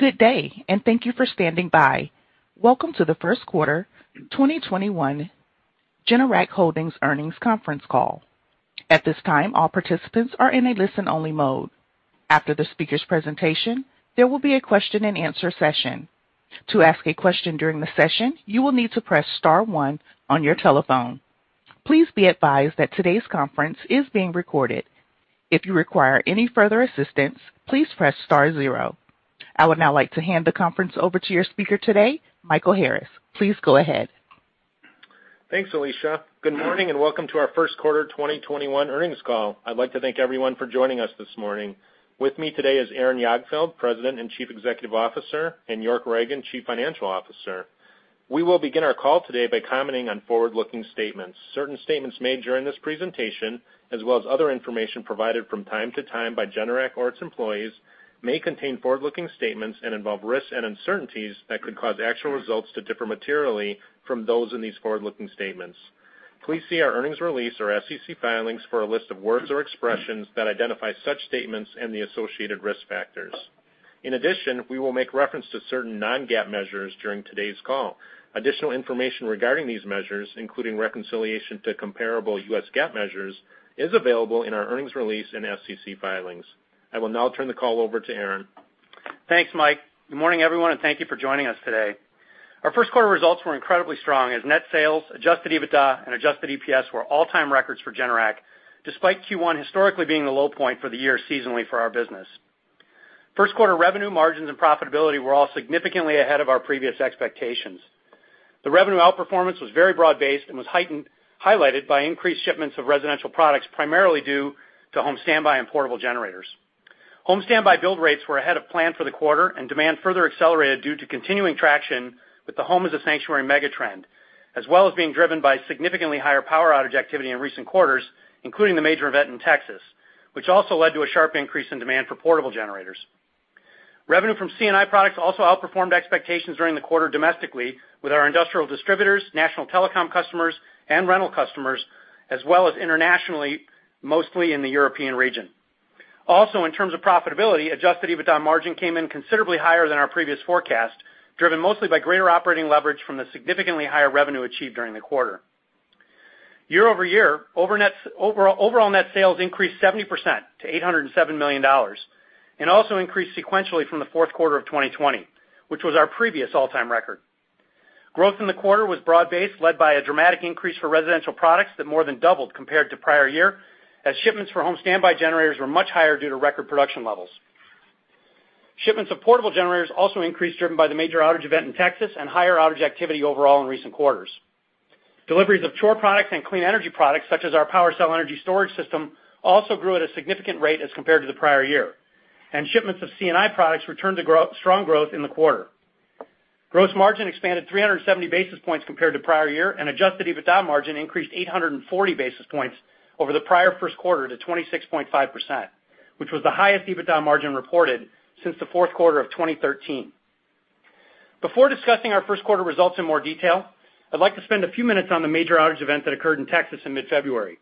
Good day, and thank you for standing by. Welcome to the first quarter 2021 Generac Holdings earnings conference call. At this time, all participants are in a listen-only mode. After the speaker's presentation, there will be a question-and-answer session. To ask a question during the session, you will need to press star one on your telephone. Please be advised that today's conference is being recorded. If you require any further assistance, please press star zero. I would now like to hand the conference over to your speaker today, Michael Harris. Please go ahead. Thanks, Alicia. Good morning, and welcome to our first quarter 2021 earnings call. I'd like to thank everyone for joining us this morning. With me today is Aaron Jagdfeld, President and Chief Executive Officer, and York Ragen, Chief Financial Officer. We will begin our call today by commenting on forward-looking statements. Certain statements made during this presentation, as well as other information provided from time to time by Generac or its employees, may contain forward-looking statements and involve risks and uncertainties that could cause actual results to differ materially from those in these forward-looking statements. Please see our earnings release or SEC filings for a list of words or expressions that identify such statements and the associated risk factors. In addition, we will make reference to certain non-GAAP measures during today's call. Additional information regarding these measures, including reconciliation to comparable U.S. GAAP measures, is available in our earnings release and SEC filings. I will now turn the call over to Aaron. Thanks, Mike. Good morning, everyone, and thank you for joining us today. Our first quarter results were incredibly strong as net sales, adjusted EBITDA, and adjusted EPS were all-time records for Generac, despite Q1 historically being the low point for the year seasonally for our business. First quarter revenue margins and profitability were all significantly ahead of our previous expectations. The revenue outperformance was very broad-based and was highlighted by increased shipments of residential products, primarily due to home standby and portable generators. Home standby build rates were ahead of plan for the quarter and demand further accelerated due to continuing traction with the home as a sanctuary mega-trend as well as being driven by significantly higher power outage activity in recent quarters, including the major event in Texas, which also led to a sharp increase in demand for portable generators. Revenue from C&I products also outperformed expectations during the quarter domestically with our industrial distributors, national telecom customers, and rental customers, as well as internationally, mostly in the European region. Also, in terms of profitability, adjusted EBITDA margin came in considerably higher than our previous forecast, driven mostly by greater operating leverage from the significantly higher revenue achieved during the quarter. Year-over-year, overall net sales increased 70% to $807 million and also increased sequentially from the fourth quarter of 2020, which was our previous all-time record. Growth in the quarter was broad-based, led by a dramatic increase for residential products that more than doubled compared to prior year as shipments for home standby generators were much higher due to record production levels. Shipments of portable generators also increased driven by the major outage event in Texas and higher outage activity overall in recent quarters. Deliveries of Chore products and clean energy products, such as our PWRcell energy storage system, also grew at a significant rate as compared to the prior year, and shipments of C&I products strong growth in the quarter. Gross margin expanded 370 basis points compared to prior year, and adjusted EBITDA margin increased 840 basis points over the prior first quarter to 26.5%, which was the highest EBITDA margin reported since the fourth quarter of 2013. Before discussing our first quarter results in more detail, I'd like to spend a few minutes on the major outage event that occurred in Texas in mid-February.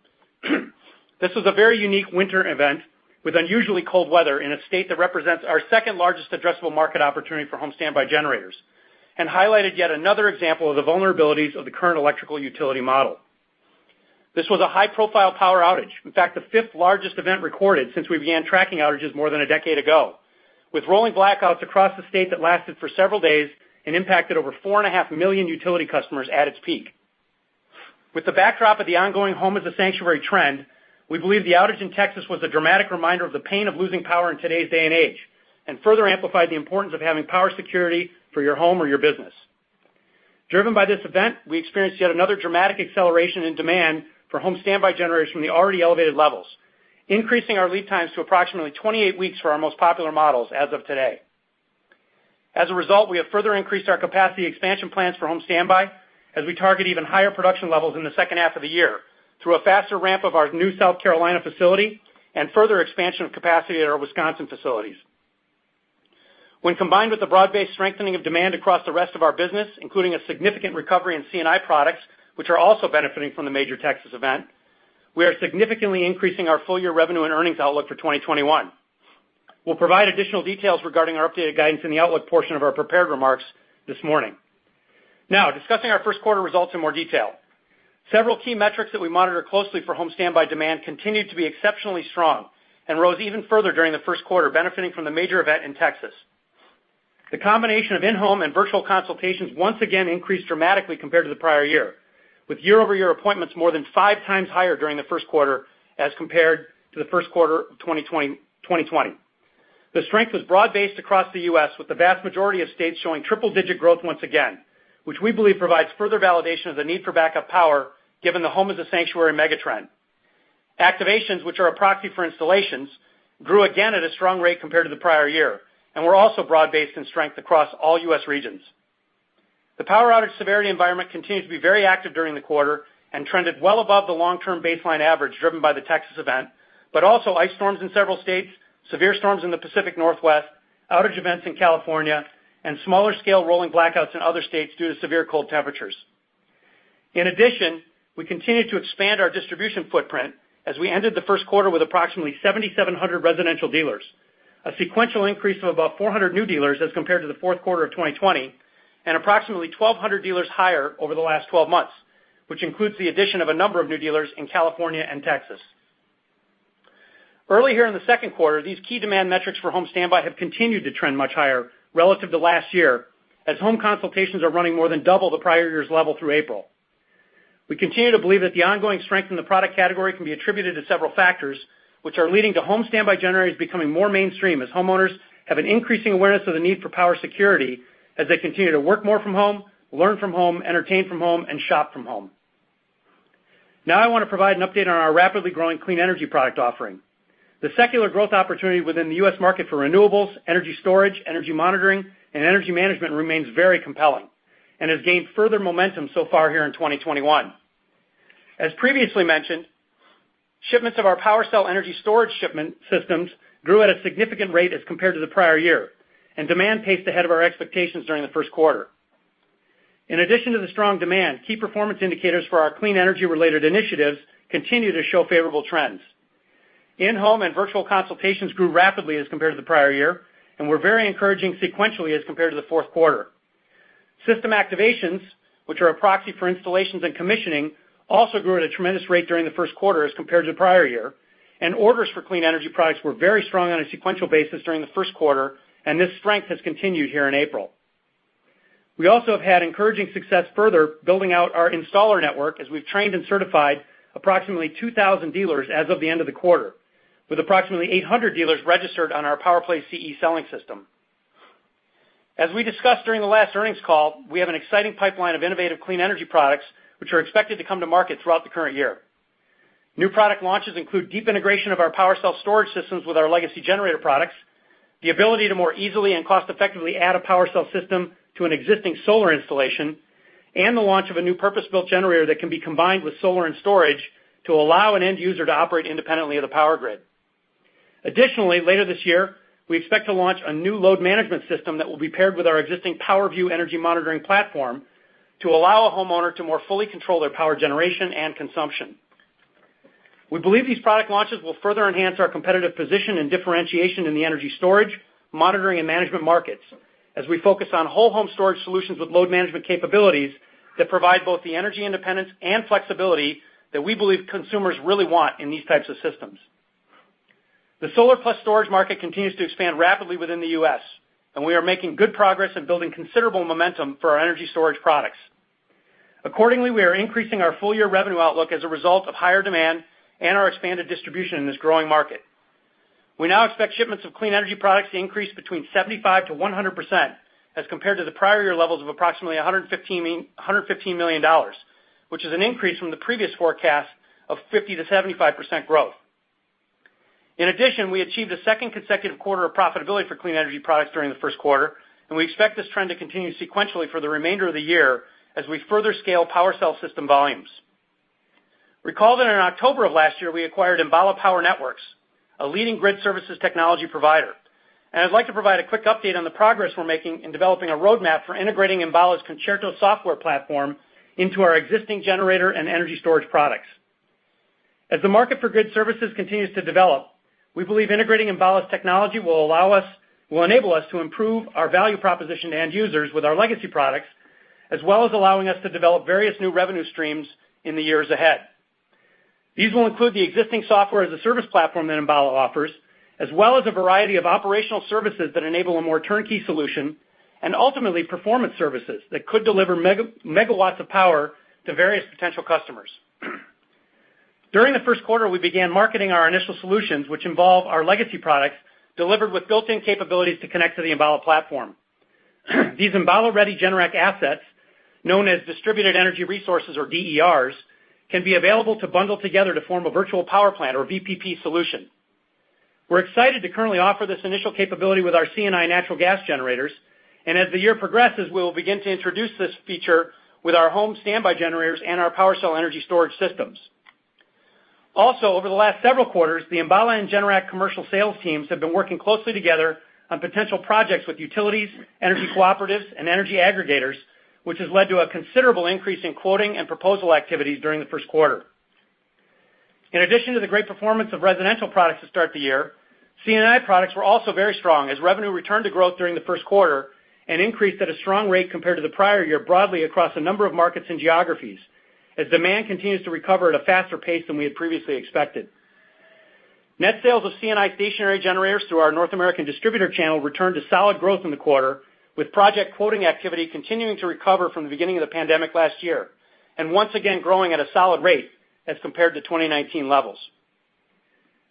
This was a very unique winter event with unusually cold weather in a state that represents our second-largest addressable market opportunity for home standby generators and highlighted yet another example of the vulnerabilities of the current electrical utility model. This was a high-profile power outage, in fact, the fifth largest event recorded since we began tracking outages more than a decade ago, with rolling blackouts across the state that lasted for several days and impacted over 4.5 million utility customers at its peak. With the backdrop of the ongoing home as a sanctuary trend, we believe the outage in Texas was a dramatic reminder of the pain of losing power in today's day and age and further amplified the importance of having power security for your home or your business. Driven by this event, we experienced yet another dramatic acceleration in demand for home standby generators from the already elevated levels, increasing our lead times to approximately 28 weeks for our most popular models as of today. As a result, we have further increased our capacity expansion plans for home standby as we target even higher production levels in the second half of the year through a faster ramp of our new South Carolina facility and further expansion of capacity at our Wisconsin facilities. When combined with the broad-based strengthening of demand across the rest of our business, including a significant recovery in C&I products, which are also benefiting from the major Texas event, we are significantly increasing our full year revenue and earnings outlook for 2021. We'll provide additional details regarding our updated guidance in the outlook portion of our prepared remarks this morning. Now, discussing our first quarter results in more detail. Several key metrics that we monitor closely for home standby demand continued to be exceptionally strong and rose even further during the first quarter benefiting from the major event in Texas. The combination of in-home and virtual consultations once again increased dramatically compared to the prior year with year-over-year appointments more than five times higher during the first quarter as compared to the first quarter of 2020. The strength was broad-based across the U.S. with the vast majority of states showing triple-digit growth once again, which we believe provides further validation of the need for backup power given the home as a sanctuary mega-trend. Activations, which are a proxy for installations, grew again at a strong rate compared to the prior year and were also broad-based in strength across all U.S. regions. The power outage severity environment continued to be very active during the quarter and trended well above the long-term baseline average driven by the Texas event, but also ice storms in several states, severe storms in the Pacific Northwest, outage events in California, and smaller scale rolling blackouts in other states due to severe cold temperatures. In addition, we continue to expand our distribution footprint as we ended the first quarter with approximately 7,700 residential dealers, a sequential increase of about 400 new dealers as compared to the fourth quarter of 2020, and approximately 1,200 dealers higher over the last twelve months, which includes the addition of a number of new dealers in California and Texas. Already here in the second quarter, these key demand metrics for home standby have continued to trend much higher relative to last year, as home consultations are running more than double the prior year's level through April. We continue to believe that the ongoing strength in the product category can be attributed to several factors which are leading to home standby generators becoming more mainstream as homeowners have an increasing awareness of the need for power security as they continue to work more from home, learn from home, entertain from home, and shop from home. Now I want to provide an update on our rapidly growing clean energy product offering. The secular growth opportunity within the U.S. market for renewables, energy storage, energy monitoring, and energy management remains very compelling and has gained further momentum so far here in 2021. As previously mentioned, shipments of our PWRcell energy storage systems grew at a significant rate as compared to the prior year, and demand paced ahead of our expectations during the first quarter. In addition to the strong demand, key performance indicators for our clean energy-related initiatives continue to show favorable trends. In-home and virtual consultations grew rapidly as compared to the prior year and were very encouraging sequentially as compared to the fourth quarter. System activations, which are a proxy for installations and commissioning, also grew at a tremendous rate during the first quarter as compared to the prior year, and orders for clean energy products were very strong on a sequential basis during the first quarter, and this strength has continued here in April. We also have had encouraging success further building out our installer network as we've trained and certified approximately 2,000 dealers as of the end of the quarter, with approximately 800 dealers registered on our PowerPlay CE selling system. As we discussed during the last earnings call, we have an exciting pipeline of innovative clean energy products which are expected to come to market throughout the current year. New product launches include deep integration of our PWRcell storage systems with our legacy generator products, the ability to more easily and cost-effectively add a PWRcell system to an existing solar installation, and the launch of a new purpose-built generator that can be combined with solar and storage to allow an end user to operate independently of the power grid. Additionally, later this year, we expect to launch a new load management system that will be paired with our existing PWRview energy monitoring platform to allow a homeowner to more fully control their power generation and consumption. We believe these product launches will further enhance our competitive position and differentiation in the energy storage, monitoring, and management markets as we focus on whole home storage solutions with load management capabilities that provide both the energy independence and flexibility that we believe consumers really want in these types of systems. The solar plus storage market continues to expand rapidly within the U.S., and we are making good progress in building considerable momentum for our energy storage products. Accordingly, we are increasing our full year revenue outlook as a result of higher demand and our expanded distribution in this growing market. We now expect shipments of clean energy products to increase between 75%-100% as compared to the prior year levels of approximately $115 million, which is an increase from the previous forecast of 50%-75% growth. In addition, we achieved a second consecutive quarter of profitability for clean energy products during the first quarter, and we expect this trend to continue sequentially for the remainder of the year as we further scale PWRcell system volumes. Recall that in October of last year, we acquired Enbala Power Networks, a leading grid services technology provider. I'd like to provide a quick update on the progress we're making in developing a roadmap for integrating Enbala's Concerto software platform into our existing generator and energy storage products. As the market for grid services continues to develop, we believe integrating Enbala's technology will enable us to improve our value proposition to end users with our legacy products, as well as allowing us to develop various new revenue streams in the years ahead. These will include the existing software-as-a-service platform that Enbala offers, as well as a variety of operational services that enable a more turnkey solution, and ultimately, performance services that could deliver megawatts of power to various potential customers. During the first quarter, we began marketing our initial solutions, which involve our legacy products delivered with built-in capabilities to connect to the Enbala platform. These Enbala-ready Generac assets, known as distributed energy resources or DERs, can be available to bundle together to form a virtual power plant or VPP solution. We're excited to currently offer this initial capability with our C&I natural gas generators, and as the year progresses, we will begin to introduce this feature with our home standby generators and our PWRcell energy storage systems. Also, over the last several quarters, the Enbala and Generac commercial sales teams have been working closely together on potential projects with utilities, energy cooperatives, and energy aggregators, which has led to a considerable increase in quoting and proposal activities during the first quarter. In addition to the great performance of residential products to start the year, C&I products were also very strong as revenue returned to growth during the first quarter and increased at a strong rate compared to the prior year, broadly across a number of markets and geographies, as demand continues to recover at a faster pace than we had previously expected. Net sales of C&I stationary generators through our North American distributor channel returned to solid growth in the quarter, with project quoting activity continuing to recover from the beginning of the pandemic last year, and once again growing at a solid rate as compared to 2019 levels.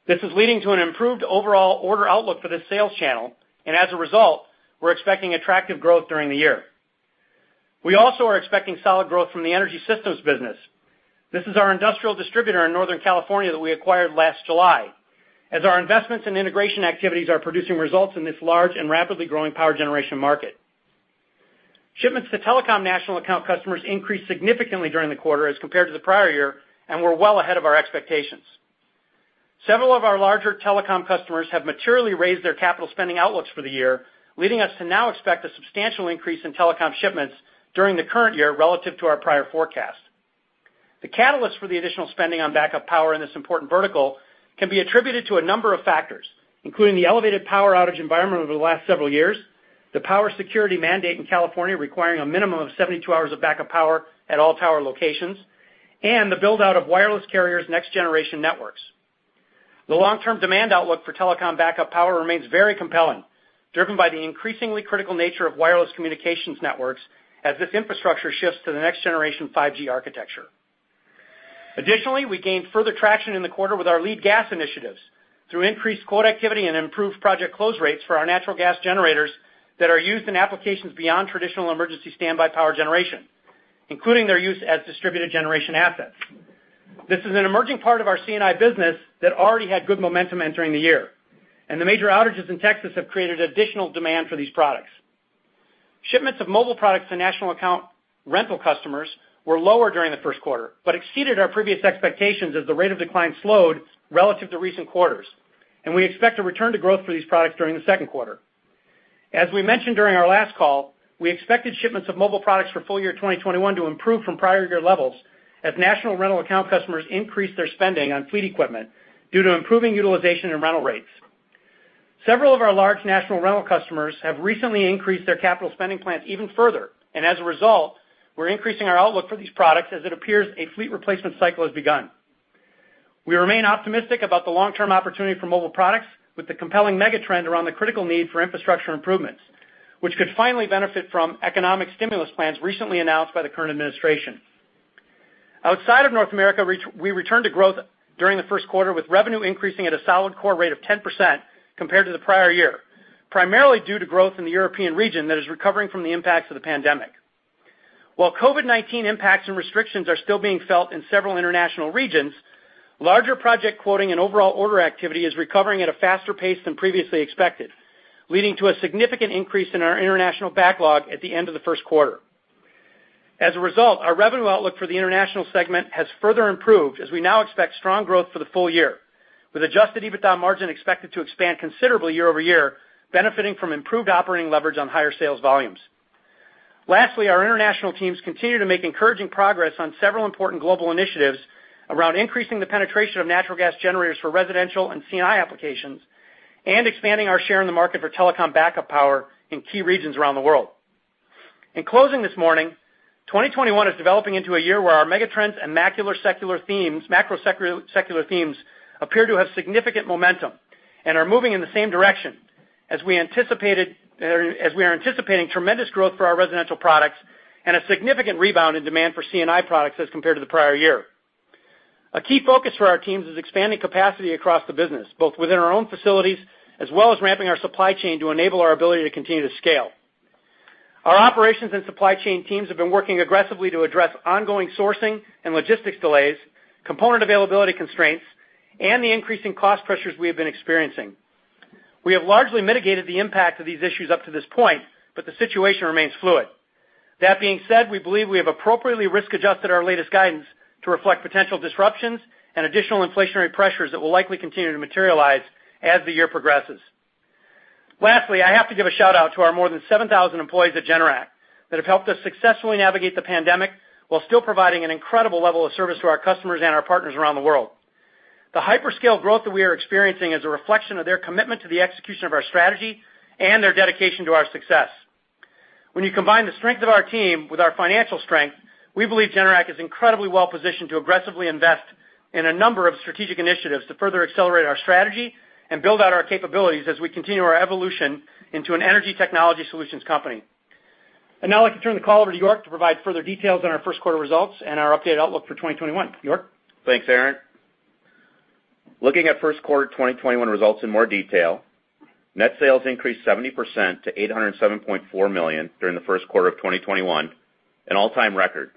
This is leading to an improved overall order outlook for this sales channel, and as a result, we're expecting attractive growth during the year. We also are expecting solid growth from the Energy Systems business. This is our industrial distributor in Northern California that we acquired last July, as our investments and integration activities are producing results in this large and rapidly growing power generation market. Shipments to telecom national account customers increased significantly during the quarter as compared to the prior year and were well ahead of our expectations. Several of our larger telecom customers have materially raised their capital spending outlooks for the year, leading us to now expect a substantial increase in telecom shipments during the current year relative to our prior forecast. The catalyst for the additional spending on backup power in this important vertical can be attributed to a number of factors, including the elevated power outage environment over the last several years, the power security mandate in California requiring a minimum of 72 hours of backup power at all power locations, and the build-out of wireless carriers' next-generation networks. The long-term demand outlook for telecom backup power remains very compelling, driven by the increasingly critical nature of wireless communications networks as this infrastructure shifts to the next generation 5G architecture. Additionally, we gained further traction in the quarter with our clean gas initiatives through increased quote activity and improved project close rates for our natural gas generators that are used in applications beyond traditional emergency standby power generation, including their use as distributed generation assets. This is an emerging part of our C&I business that already had good momentum entering the year, and the major outages in Texas have created additional demand for these products. Shipments of mobile products to national account rental customers were lower during the first quarter, but exceeded our previous expectations as the rate of decline slowed relative to recent quarters, and we expect a return to growth for these products during the second quarter. As we mentioned during our last call, we expected shipments of mobile products for full year 2021 to improve from prior year levels as national rental account customers increased their spending on fleet equipment due to improving utilization and rental rates. Several of our large national rental customers have recently increased their capital spending plans even further, and as a result, we're increasing our outlook for these products as it appears a fleet replacement cycle has begun. We remain optimistic about the long-term opportunity for mobile products with the compelling mega-trend around the critical need for infrastructure improvements, which could finally benefit from economic stimulus plans recently announced by the current administration. Outside of North America, we returned to growth during the first quarter with revenue increasing at a solid core rate of 10% compared to the prior year, primarily due to growth in the European region that is recovering from the impacts of the pandemic. While COVID-19 impacts and restrictions are still being felt in several international regions, larger project quoting and overall order activity is recovering at a faster pace than previously expected, leading to a significant increase in our international backlog at the end of the first quarter. As a result, our revenue outlook for the international segment has further improved as we now expect strong growth for the full year, with adjusted EBITDA margin expected to expand considerably year-over-year, benefiting from improved operating leverage on higher sales volumes. Lastly, our international teams continue to make encouraging progress on several important global initiatives around increasing the penetration of natural gas generators for residential and C&I applications and expanding our share in the market for telecom backup power in key regions around the world. In closing this morning, 2021 is developing into a year where our megatrends and macro secular themes appear to have significant momentum and are moving in the same direction as we anticipated or as we are anticipating tremendous growth for our residential products and a significant rebound in demand for C&I products as compared to the prior year. A key focus for our teams is expanding capacity across the business, both within our own facilities as well as ramping our supply chain to enable our ability to continue to scale. Our operations and supply chain teams have been working aggressively to address ongoing sourcing and logistics delays, component availability constraints, and the increasing cost pressures we have been experiencing. We have largely mitigated the impact of these issues up to this point, but the situation remains fluid. That being said, we believe we have appropriately risk-adjusted our latest guidance to reflect potential disruptions and additional inflationary pressures that will likely continue to materialize as the year progresses. Lastly, I have to give a shout-out to our more than 7,000 employees at Generac that have helped us successfully navigate the pandemic while still providing an incredible level of service to our customers and our partners around the world. The hyperscale growth that we are experiencing is a reflection of their commitment to the execution of our strategy and their dedication to our success. When you combine the strength of our team with our financial strength, we believe Generac is incredibly well-positioned to aggressively invest in a number of strategic initiatives to further accelerate our strategy and build out our capabilities as we continue our evolution into an energy technology solutions company. Now I'd like to turn the call over to York to provide further details on our first quarter results and our updated outlook for 2021. York? Thanks, Aaron. Looking at first quarter 2021 results in more detail, net sales increased 70% to $807.4 million during the first quarter of 2021, an all-time record,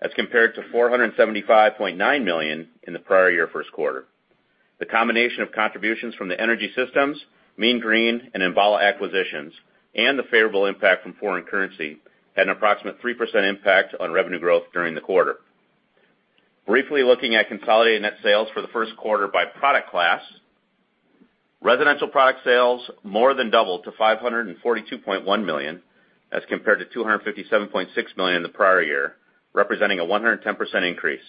as compared to $475.9 million in the prior year first quarter. The combination of contributions from the Energy Systems, Mean Green, and Enbala acquisitions and the favorable impact from foreign currency had an approximate 3% impact on revenue growth during the quarter. Briefly looking at consolidated net sales for the first quarter by product class. Residential product sales more than doubled to $542.1 million, as compared to $257.6 million in the prior year, representing a 110% increase.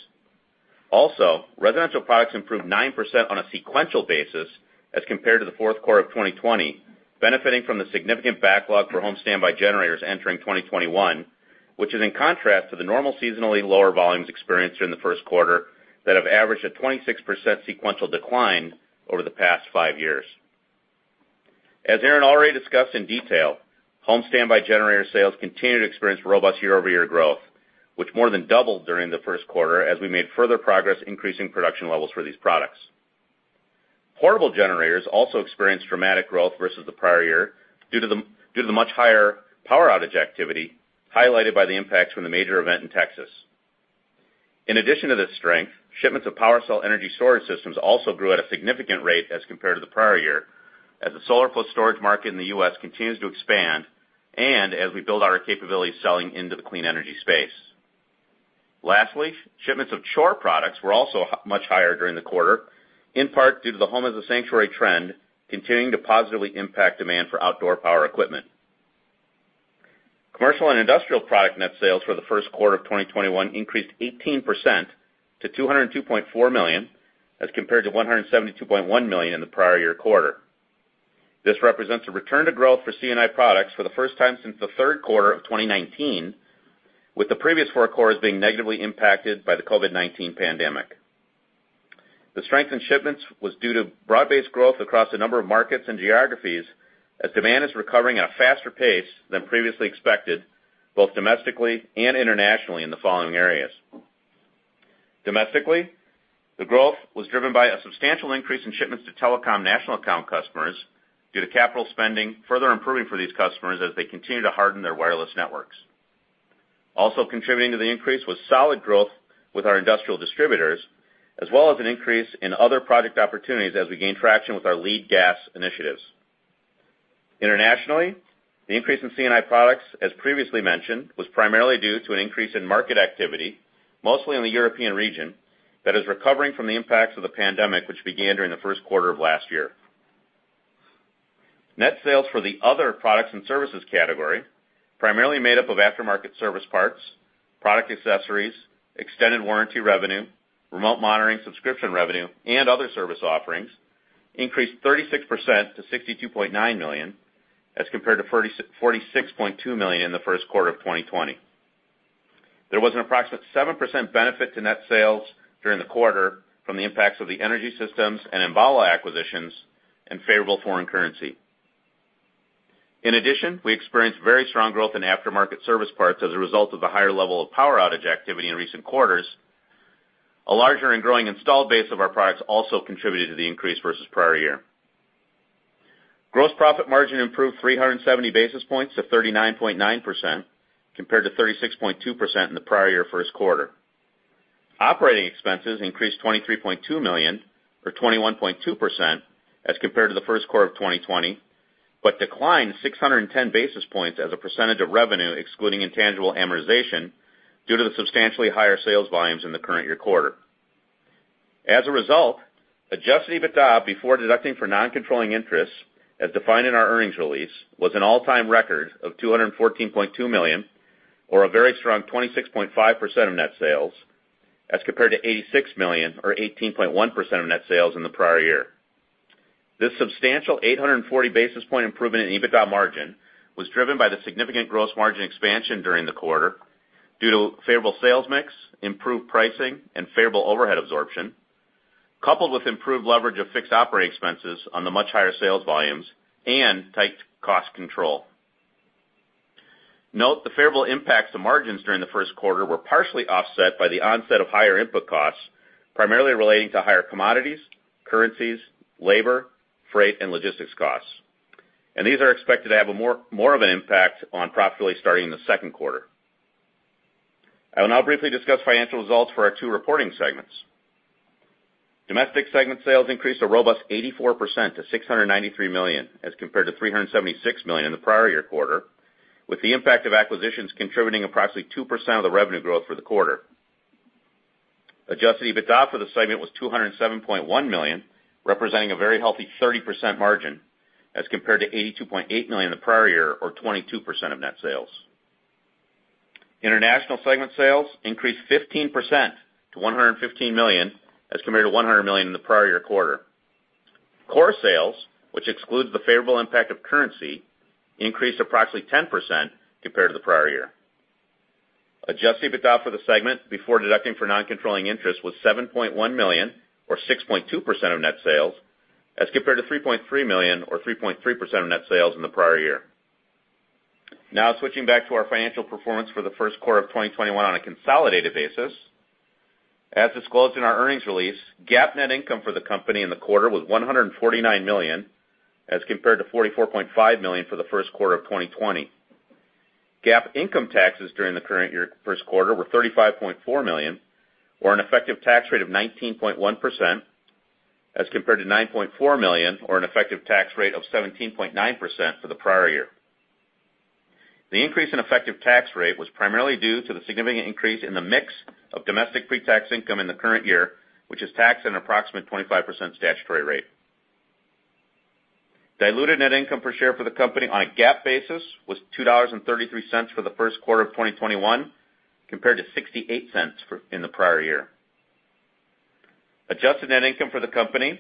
Also, residential products improved 9% on a sequential basis as compared to the fourth quarter of 2020, benefiting from the significant backlog for home standby generators entering 2021, which is in contrast to the normal seasonally lower volumes experienced during the first quarter that have averaged a 26% sequential decline over the past 5 years. As Aaron already discussed in detail, home standby generator sales continued to experience robust year-over-year growth, which more than doubled during the first quarter as we made further progress increasing production levels for these products. Portable generators also experienced dramatic growth versus the prior year due to the much higher power outage activity highlighted by the impacts from the major event in Texas. In addition to this strength, shipments of PWRcell energy storage systems also grew at a significant rate as compared to the prior year as the solar plus storage market in the U.S. continues to expand and as we build our capabilities selling into the clean energy space. Lastly, shipments of Chore products were also much higher during the quarter, in part due to the home as a sanctuary trend continuing to positively impact demand for outdoor power equipment. Commercial and industrial product net sales for the first quarter of 2021 increased 18% to $202.4 million, as compared to $172.1 million in the prior year quarter. This represents a return to growth for C&I products for the first time since the third quarter of 2019, with the previous four quarters being negatively impacted by the COVID-19 pandemic. The strength in shipments was due to broad-based growth across a number of markets and geographies as demand is recovering at a faster pace than previously expected, both domestically and internationally in the following areas. Domestically, the growth was driven by a substantial increase in shipments to telecom national account customers due to capital spending further improving for these customers as they continue to harden their wireless networks. Also contributing to the increase was solid growth with our industrial distributors, as well as an increase in other product opportunities as we gain traction with our clean gas initiatives. Internationally, the increase in C&I products, as previously mentioned, was primarily due to an increase in market activity, mostly in the European region, that is recovering from the impacts of the pandemic which began during the first quarter of last year. Net sales for the other products and services category, primarily made up of aftermarket service parts, product accessories, extended warranty revenue, remote monitoring, subscription revenue, and other service offerings, increased 36% to $62.9 million, as compared to $46.2 million in the first quarter of 2020. There was an approximate 7% benefit to net sales during the quarter from the impacts of the Energy Systems and Enbala acquisitions and favorable foreign currency. In addition, we experienced very strong growth in aftermarket service parts as a result of the higher level of power outage activity in recent quarters. A larger and growing installed base of our products also contributed to the increase versus prior year. Gross profit margin improved 370 basis points to 39.9% compared to 36.2% in the prior year first quarter. Operating expenses increased $23.2 million, or 21.2%, as compared to the first quarter of 2020, but declined 610 basis points as a percentage of revenue, excluding intangible amortization due to the substantially higher sales volumes in the current year quarter. As a result, adjusted EBITDA before deducting for non-controlling interests, as defined in our earnings release, was an all-time record of $214.2 million, or a very strong 26.5% of net sales, as compared to $86 million, or 18.1% of net sales in the prior year. This substantial 840 basis point improvement in EBITDA margin was driven by the significant gross margin expansion during the quarter due to favorable sales mix, improved pricing, and favorable overhead absorption, coupled with improved leverage of fixed operating expenses on the much higher sales volumes and tight cost control. Note the favorable impacts to margins during the first quarter were partially offset by the onset of higher input costs, primarily relating to higher commodities, currencies, labor, freight, and logistics costs. These are expected to have a more of an impact on profitability starting in the second quarter. I will now briefly discuss financial results for our two reporting segments. Domestic segment sales increased a robust 84% to $693 million, as compared to $376 million in the prior year quarter, with the impact of acquisitions contributing approximately 2% of the revenue growth for the quarter. Adjusted EBITDA for the segment was $207.1 million, representing a very healthy 30% margin, as compared to $82.8 million in the prior year or 22% of net sales. International segment sales increased 15% to $115 million as compared to $100 million in the prior year quarter. Core sales, which excludes the favorable impact of currency, increased approximately 10% compared to the prior year. Adjusted EBITDA for the segment before deducting for non-controlling interest was $7.1 million or 6.2% of net sales as compared to $3.3 million or 3.3% of net sales in the prior year. Now switching back to our financial performance for the first quarter of 2021 on a consolidated basis. As disclosed in our earnings release, GAAP net income for the company in the quarter was $149 million, as compared to $44.5 million for the first quarter of 2020. GAAP income taxes during the current year first quarter were $35.4 million, or an effective tax rate of 19.1%, as compared to $9.4 million, or an effective tax rate of 17.9% for the prior year. The increase in effective tax rate was primarily due to the significant increase in the mix of domestic pre-tax income in the current year, which is taxed at an approximate 25% statutory rate. Diluted net income per share for the company on a GAAP basis was $2.33 for the first quarter of 2021, compared to $0.68 in the prior year. Adjusted net income for the company,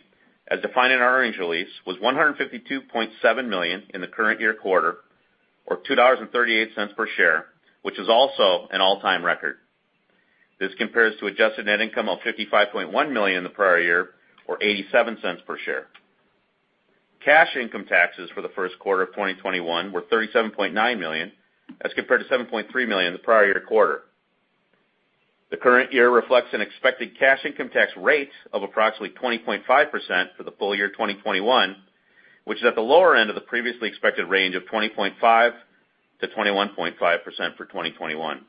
as defined in our earnings release, was $152.7 million in the current year quarter, or $2.38 per share, which is also an all-time record. This compares to adjusted net income of $55.1 million in the prior year, or $0.87 per share. Cash income taxes for the first quarter of 2021 were $37.9 million, as compared to $7.3 million in the prior year quarter. The current year reflects an expected cash income tax rate of approximately 20.5% for the full year 2021, which is at the lower end of the previously expected range of 20.5%-21.5% for 2021.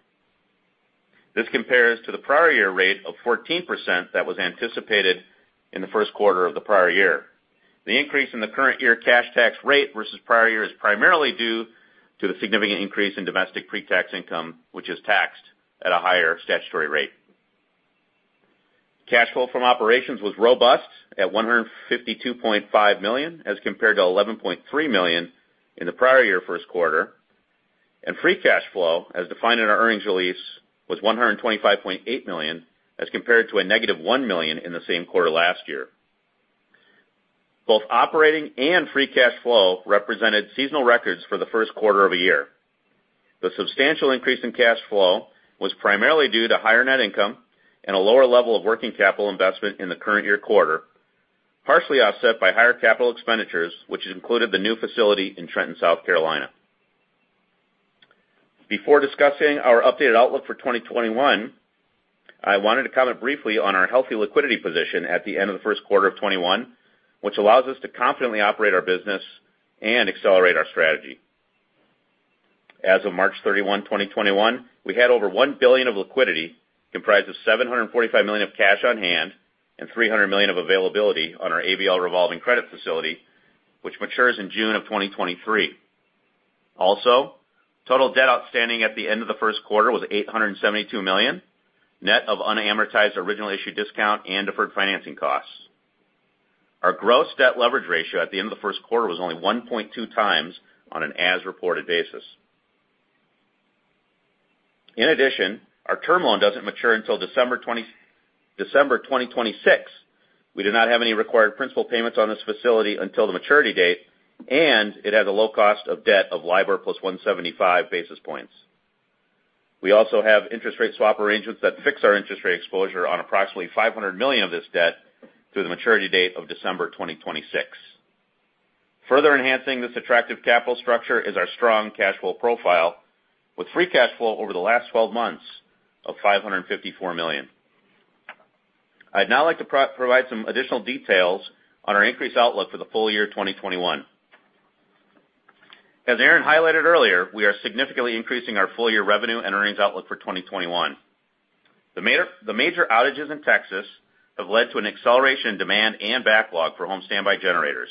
This compares to the prior year rate of 14% that was anticipated in the first quarter of the prior year. The increase in the current year cash tax rate versus prior year is primarily due to the significant increase in domestic pre-tax income, which is taxed at a higher statutory rate. Cash flow from operations was robust at $152.5 million as compared to $11.3 million in the prior year first quarter. Free cash flow, as defined in our earnings release, was $125.8 million, as compared to negative $1 million in the same quarter last year. Both operating and free cash flow represented seasonal records for the first quarter of the year. The substantial increase in cash flow was primarily due to higher net income and a lower level of working capital investment in the current year quarter, partially offset by higher capital expenditures, which included the new facility in Trenton, South Carolina. Before discussing our updated outlook for 2021, I wanted to comment briefly on our healthy liquidity position at the end of the first quarter of 2021, which allows us to confidently operate our business and accelerate our strategy. As of March 31, 2021, we had over $1 billion of liquidity, comprised of $745 million of cash on hand and $300 million of availability on our ABL revolving credit facility, which matures in June of 2023. Total debt outstanding at the end of the first quarter was $872 million, net of unamortized original issue discount and deferred financing costs. Our gross debt leverage ratio at the end of the first quarter was only 1.2x on an as-reported basis. Our term loan doesn't mature until December 2026. We do not have any required principal payments on this facility until the maturity date, and it has a low cost of debt of LIBOR plus 175 basis points. We also have interest rate swap arrangements that fix our interest rate exposure on approximately $500 million of this debt through the maturity date of December 2026. Further enhancing this attractive capital structure is our strong cash flow profile with free cash flow over the last 12 months of $554 million. I'd now like to provide some additional details on our increased outlook for the full year 2021. As Aaron highlighted earlier, we are significantly increasing our full year revenue and earnings outlook for 2021. The major outages in Texas have led to an acceleration in demand and backlog for home standby generators.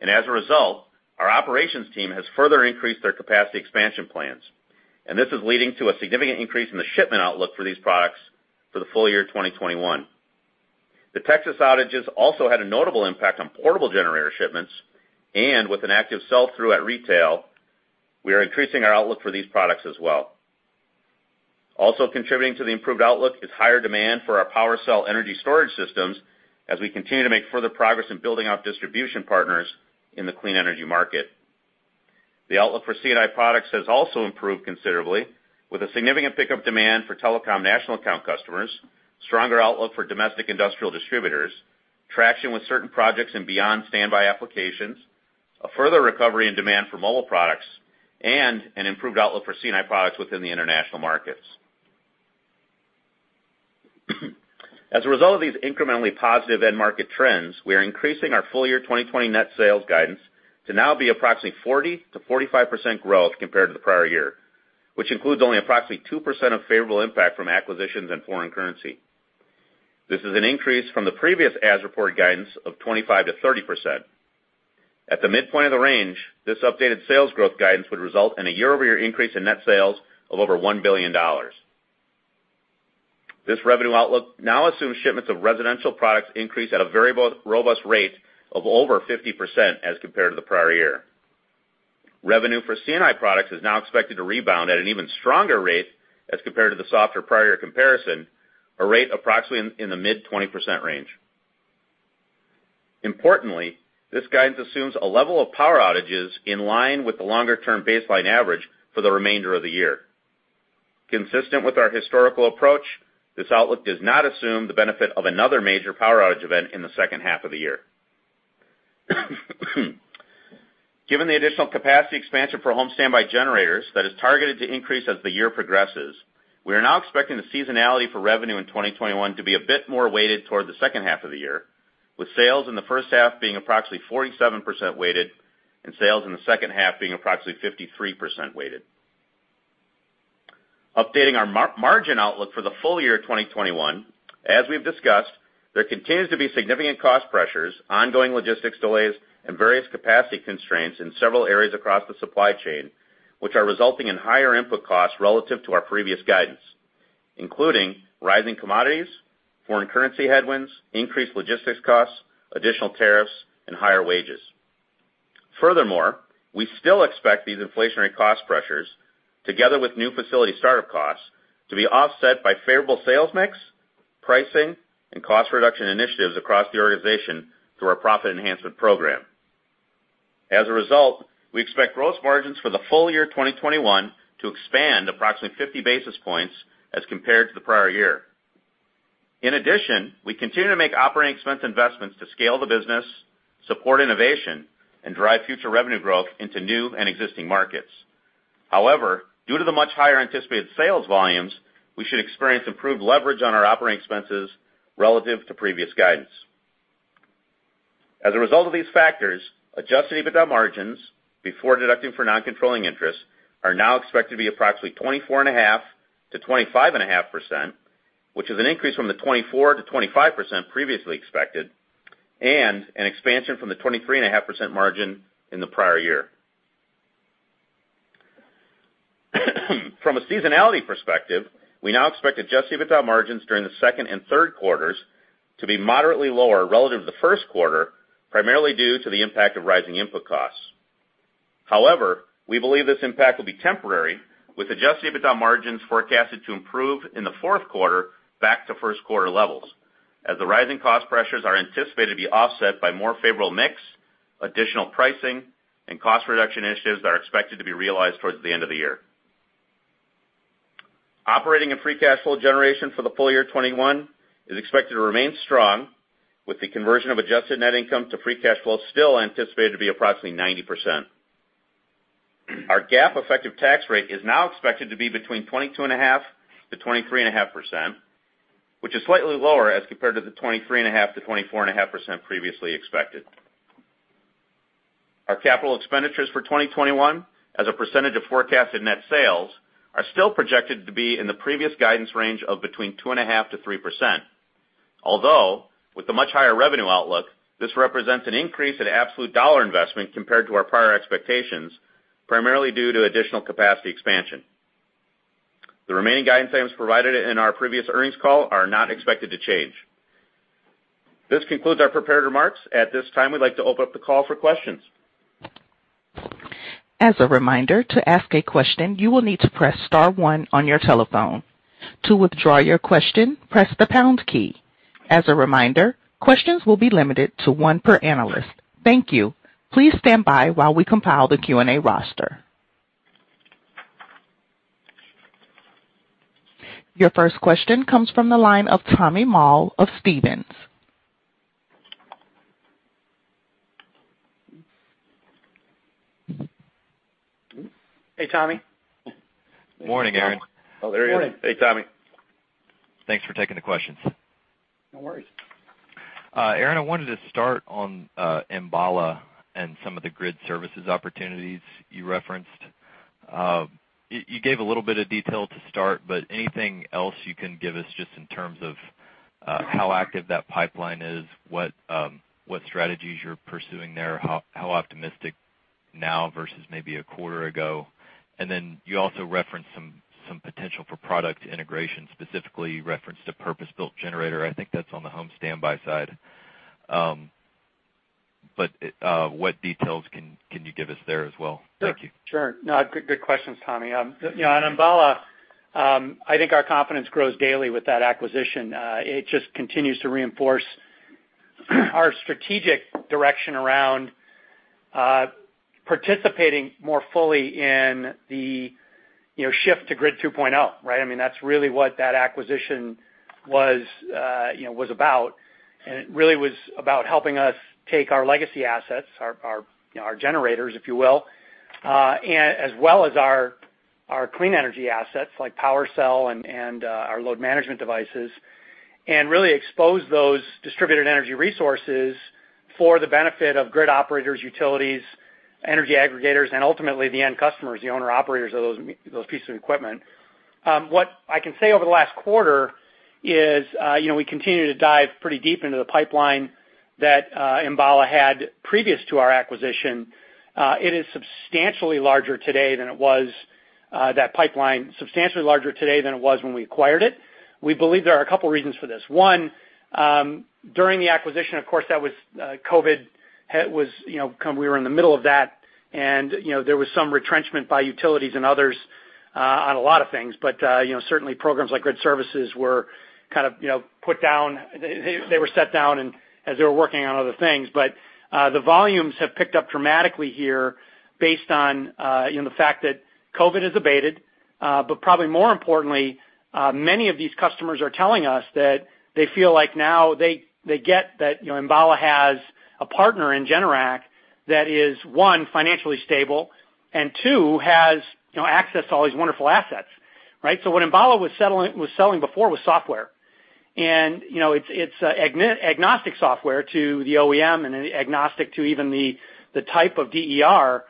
As a result, our operations team has further increased their capacity expansion plans, and this is leading to a significant increase in the shipment outlook for these products for the full year 2021. The Texas outages also had a notable impact on portable generator shipments, and with an active sell-through at retail, we are increasing our outlook for these products as well. Also contributing to the improved outlook is higher demand for our PWRcell energy storage systems as we continue to make further progress in building out distribution partners in the clean energy market. The outlook for C&I products has also improved considerably with a significant pickup demand for telecom national account customers, stronger outlook for domestic industrial distributors, traction with certain projects and beyond standby applications, a further recovery in demand for mobile products, and an improved outlook for C&I products within the international markets. As a result of these incrementally positive end market trends, we are increasing our full year 2020 net sales guidance to now be approximately 40%-45% growth compared to the prior year, which includes only approximately 2% of favorable impact from acquisitions and foreign currency. This is an increase from the previous as-reported guidance of 25%-30%. At the midpoint of the range, this updated sales growth guidance would result in a year-over-year increase in net sales of over $1 billion. This revenue outlook now assumes shipments of residential products increase at a very robust rate of over 50% as compared to the prior year. Revenue for C&I products is now expected to rebound at an even stronger rate as compared to the softer prior year comparison, a rate approximately in the mid-20% range. Importantly, this guidance assumes a level of power outages in line with the longer-term baseline average for the remainder of the year. Consistent with our historical approach, this outlook does not assume the benefit of another major power outage event in the second half of the year. Given the additional capacity expansion for home standby generators that is targeted to increase as the year progresses, we are now expecting the seasonality for revenue in 2021 to be a bit more weighted toward the second half of the year, with sales in the first half being approximately 47% weighted and sales in the second half being approximately 53% weighted. Updating our margin outlook for the full year 2021, as we've discussed, there continues to be significant cost pressures, ongoing logistics delays, and various capacity constraints in several areas across the supply chain, which are resulting in higher input costs relative to our previous guidance, including rising commodities, foreign currency headwinds, increased logistics costs, additional tariffs, and higher wages. Furthermore, we still expect these inflationary cost pressures, together with new facility startup costs, to be offset by favorable sales mix, pricing, and cost reduction initiatives across the organization through our profit enhancement program. As a result, we expect gross margins for the full year 2021 to expand approximately 50 basis points as compared to the prior year. In addition, we continue to make operating expense investments to scale the business, support innovation, and drive future revenue growth into new and existing markets. However, due to the much higher anticipated sales volumes, we should experience improved leverage on our operating expenses relative to previous guidance. As a result of these factors, adjusted EBITDA margins before deducting for non-controlling interests are now expected to be approximately 24.5%-25.5%. which is an increase from the 24%-25% previously expected and an expansion from the 23.5% margin in the prior year. From a seasonality perspective, we now expect adjusted EBITDA margins during the second and third quarters to be moderately lower relative to the first quarter, primarily due to the impact of rising input costs. However, we believe this impact will be temporary, with adjusted EBITDA margins forecasted to improve in the fourth quarter back to first quarter levels as the rising cost pressures are anticipated to be offset by more favorable mix, additional pricing, and cost reduction initiatives that are expected to be realized towards the end of the year. Operating and free cash flow generation for the full year 2021 is expected to remain strong, with the conversion of adjusted net income to free cash flow still anticipated to be approximately 90%. Our GAAP effective tax rate is now expected to be between 22.5%-23.5%, which is slightly lower as compared to the 23.5%-24.5% previously expected. Our capital expenditures for 2021 as a percentage of forecasted net sales are still projected to be in the previous guidance range of between 2.5%-3%. Although with the much higher revenue outlook, this represents an increase in absolute dollar investment compared to our prior expectations, primarily due to additional capacity expansion. The remaining guidance items provided in our previous earnings call are not expected to change. This concludes our prepared remarks. At this time, we'd like to open up the call for questions. As a reminder, to ask a question, you will need to press star one on your telephone. To withdraw your question, press the pound key. As a reminder, questions will be limited to one per analyst. Thank you. Please stand by while we compile the Q&A roster. Your first question comes from the line of Tommy Moll of Stephens. Hey, Tommy. Morning, Aaron. Oh, there he is. Hey, Tommy. Thanks for taking the questions. No worries. Aaron, I wanted to start on Enbala and some of the grid services opportunities you referenced. You gave a little bit of detail to start, but anything else you can give us just in terms of how active that pipeline is, what strategies you're pursuing there, how optimistic now versus maybe a quarter ago? You also referenced some potential for product integration, specifically referenced a purpose-built generator. I think that's on the home standby side. What details can you give us there as well? Thank you. Sure. Good questions, Tommy. You know, on Enbala, I think our confidence grows daily with that acquisition. It just continues to reinforce our strategic direction around participating more fully in the shift to Grid 2.0, right? I mean, that's really what that acquisition was, you know, was about. It really was about helping us take our legacy assets, our, you know, our generators, if you will, and as well as our clean energy assets like PWRcell and our load management devices, and really expose those distributed energy resources for the benefit of grid operators, utilities, energy aggregators, and ultimately the end customers, the owner-operators of those pieces of equipment. What I can say over the last quarter is, you know, we continue to dive pretty deep into the pipeline that Enbala had previous to our acquisition. It is substantially larger today than it was when we acquired it. We believe there are a couple reasons for this. One, during the acquisition, of course, that was COVID. We were in the middle of that. You know, there was some retrenchment by utilities and others on a lot of things. You know, certainly programs like grid services were kind of, you know, put down. They were set down and as they were working on other things. The volumes have picked up dramatically here based on, you know, the fact that COVID has abated. Probably more importantly, many of these customers are telling us that they feel like now they get that, you know, Enbala has a partner in Generac that is, one, financially stable, and two, has, you know, access to all these wonderful assets, right? So what Enbala was selling before was software. And, you know, it's agnostic software to the OEM and agnostic to even the type of DER,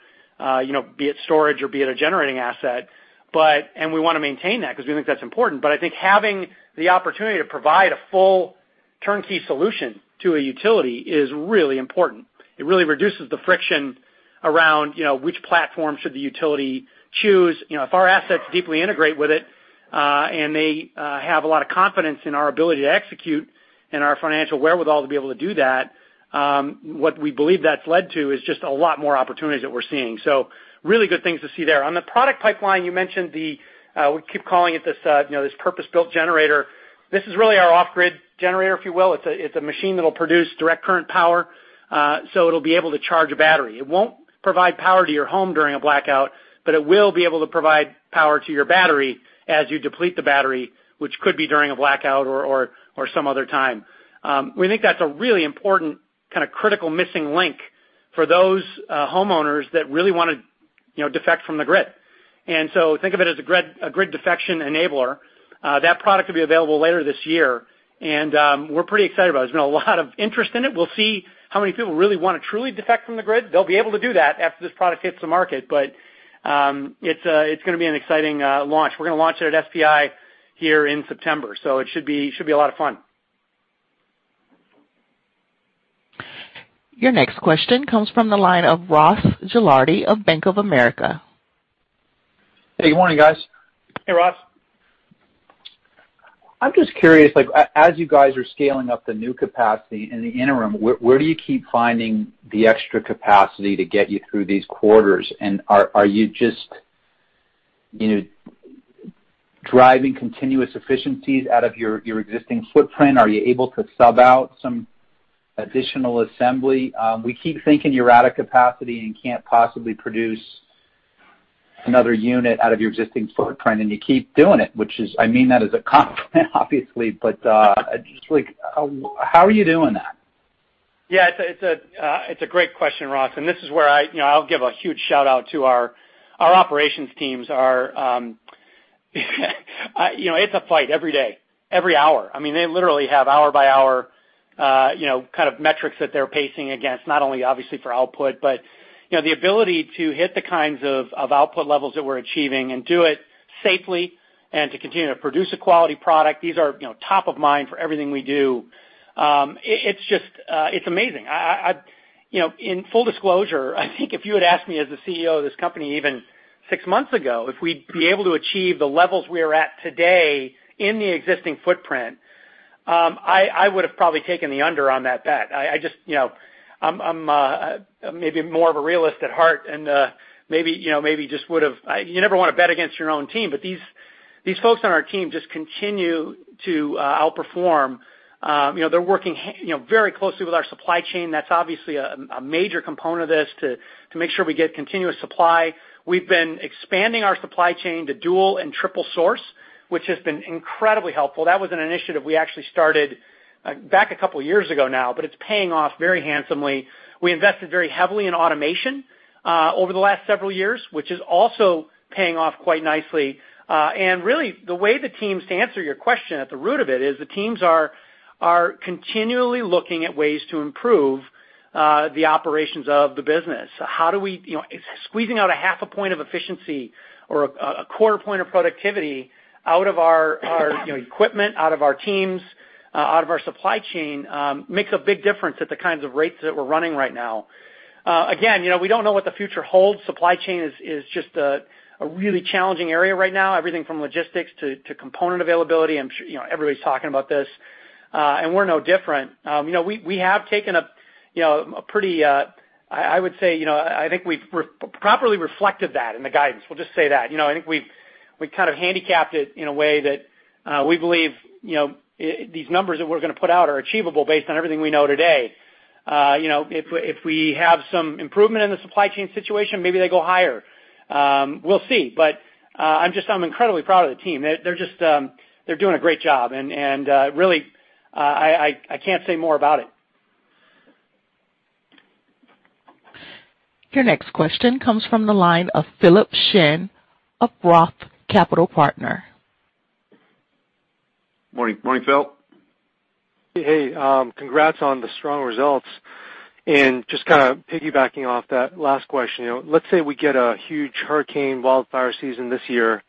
you know, be it storage or be it a generating asset. We want to maintain that because we think that's important. I think having the opportunity to provide a full turnkey solution to a utility is really important. It really reduces the friction around, you know, which platform should the utility choose. You know, if our assets deeply integrate with it, and they have a lot of confidence in our ability to execute and our financial wherewithal to be able to do that, what we believe that's led to is just a lot more opportunities that we're seeing. Really good things to see there. On the product pipeline, you mentioned the, we keep calling it this, you know, this purpose-built generator. This is really our off-grid generator, if you will. It's a machine that'll produce direct current power, so it'll be able to charge a battery. It won't provide power to your home during a blackout, but it will be able to provide power to your battery as you deplete the battery, which could be during a blackout or some other time. We think that's a really important kind of critical missing link for those homeowners that really wanna, you know, defect from the grid. Think of it as a grid defection enabler. That product will be available later this year, and we're pretty excited about it. There's been a lot of interest in it. We'll see how many people really wanna truly defect from the grid. They'll be able to do that after this product hits the market. It's gonna be an exciting launch. We're gonna launch it at SPI here in September, so it should be a lot of fun. Your next question comes from the line of Ross Gilardi of Bank of America. Hey, good morning, guys. Hey, Ross. I'm just curious, like, as you guys are scaling up the new capacity in the interim, where do you keep finding the extra capacity to get you through these quarters? Are you just, you know, driving continuous efficiencies out of your existing footprint? Are you able to sub out some additional assembly? We keep thinking you're out of capacity and can't possibly produce another unit out of your existing footprint, and you keep doing it, which is. I mean that as a compliment obviously, but just like, how are you doing that? Yeah, it's a great question, Ross. This is where I'll give a huge shout-out to our operations teams. You know, it's a fight every day, every hour. I mean, they literally have hour-by-hour metrics that they're pacing against, not only obviously for output, but the ability to hit the kinds of output levels that we're achieving and do it safely and to continue to produce a quality product. These are top of mind for everything we do. It's just amazing. You know, in full disclosure, I think if you had asked me as the CEO of this company even six months ago, if we'd be able to achieve the levels we are at today in the existing footprint, I would have probably taken the under on that bet. I just, you know, I'm maybe more of a realist at heart and maybe, you know, you never wanna bet against your own team, but these folks on our team just continue to outperform. You know, they're working you know, very closely with our supply chain. That's obviously a major component of this to make sure we get continuous supply. We've been expanding our supply chain to dual and triple source, which has been incredibly helpful. That was an initiative we actually started back a couple years ago now, but it's paying off very handsomely. We invested very heavily in automation over the last several years, which is also paying off quite nicely. Really the way the teams, to answer your question at the root of it, is the teams are continually looking at ways to improve the operations of the business. You know, squeezing out a half a point of efficiency or a quarter point of productivity out of our you know, equipment, out of our teams, out of our supply chain makes a big difference at the kinds of rates that we're running right now. Again, you know, we don't know what the future holds. Supply chain is just a really challenging area right now, everything from logistics to component availability. You know, everybody's talking about this, and we're no different. You know, I would say, you know, I think we've properly reflected that in the guidance. We'll just say that. You know, I think we've kind of handicapped it in a way that we believe, you know, these numbers that we're gonna put out are achievable based on everything we know today. You know, if we have some improvement in the supply chain situation, maybe they go higher. We'll see. I'm incredibly proud of the team. They're just doing a great job. Really, I can't say more about it. Your next question comes from the line of Philip Shen of ROTH Capital Partners. Morning. Morning, Phil. Hey, hey. Congrats on the strong results. Just kinda piggybacking off that last question, you know, let's say we get a huge hurricane wildfire season this year,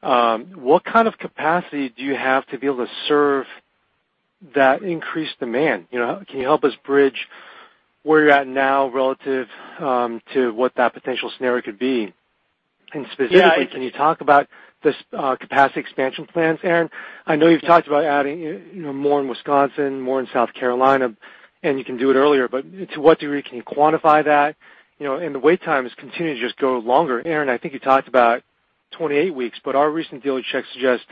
what kind of capacity do you have to be able to serve that increased demand? You know, can you help us bridge where you're at now relative to what that potential scenario could be? Specifically- Yeah. Can you talk about the capacity expansion plans, Aaron? I know you've talked about adding, you know, more in Wisconsin, more in South Carolina, and you can do it earlier. But to what degree can you quantify that? You know, and the wait times continue to just go longer. Aaron, I think you talked about 28 weeks, but our recent dealer checks suggest,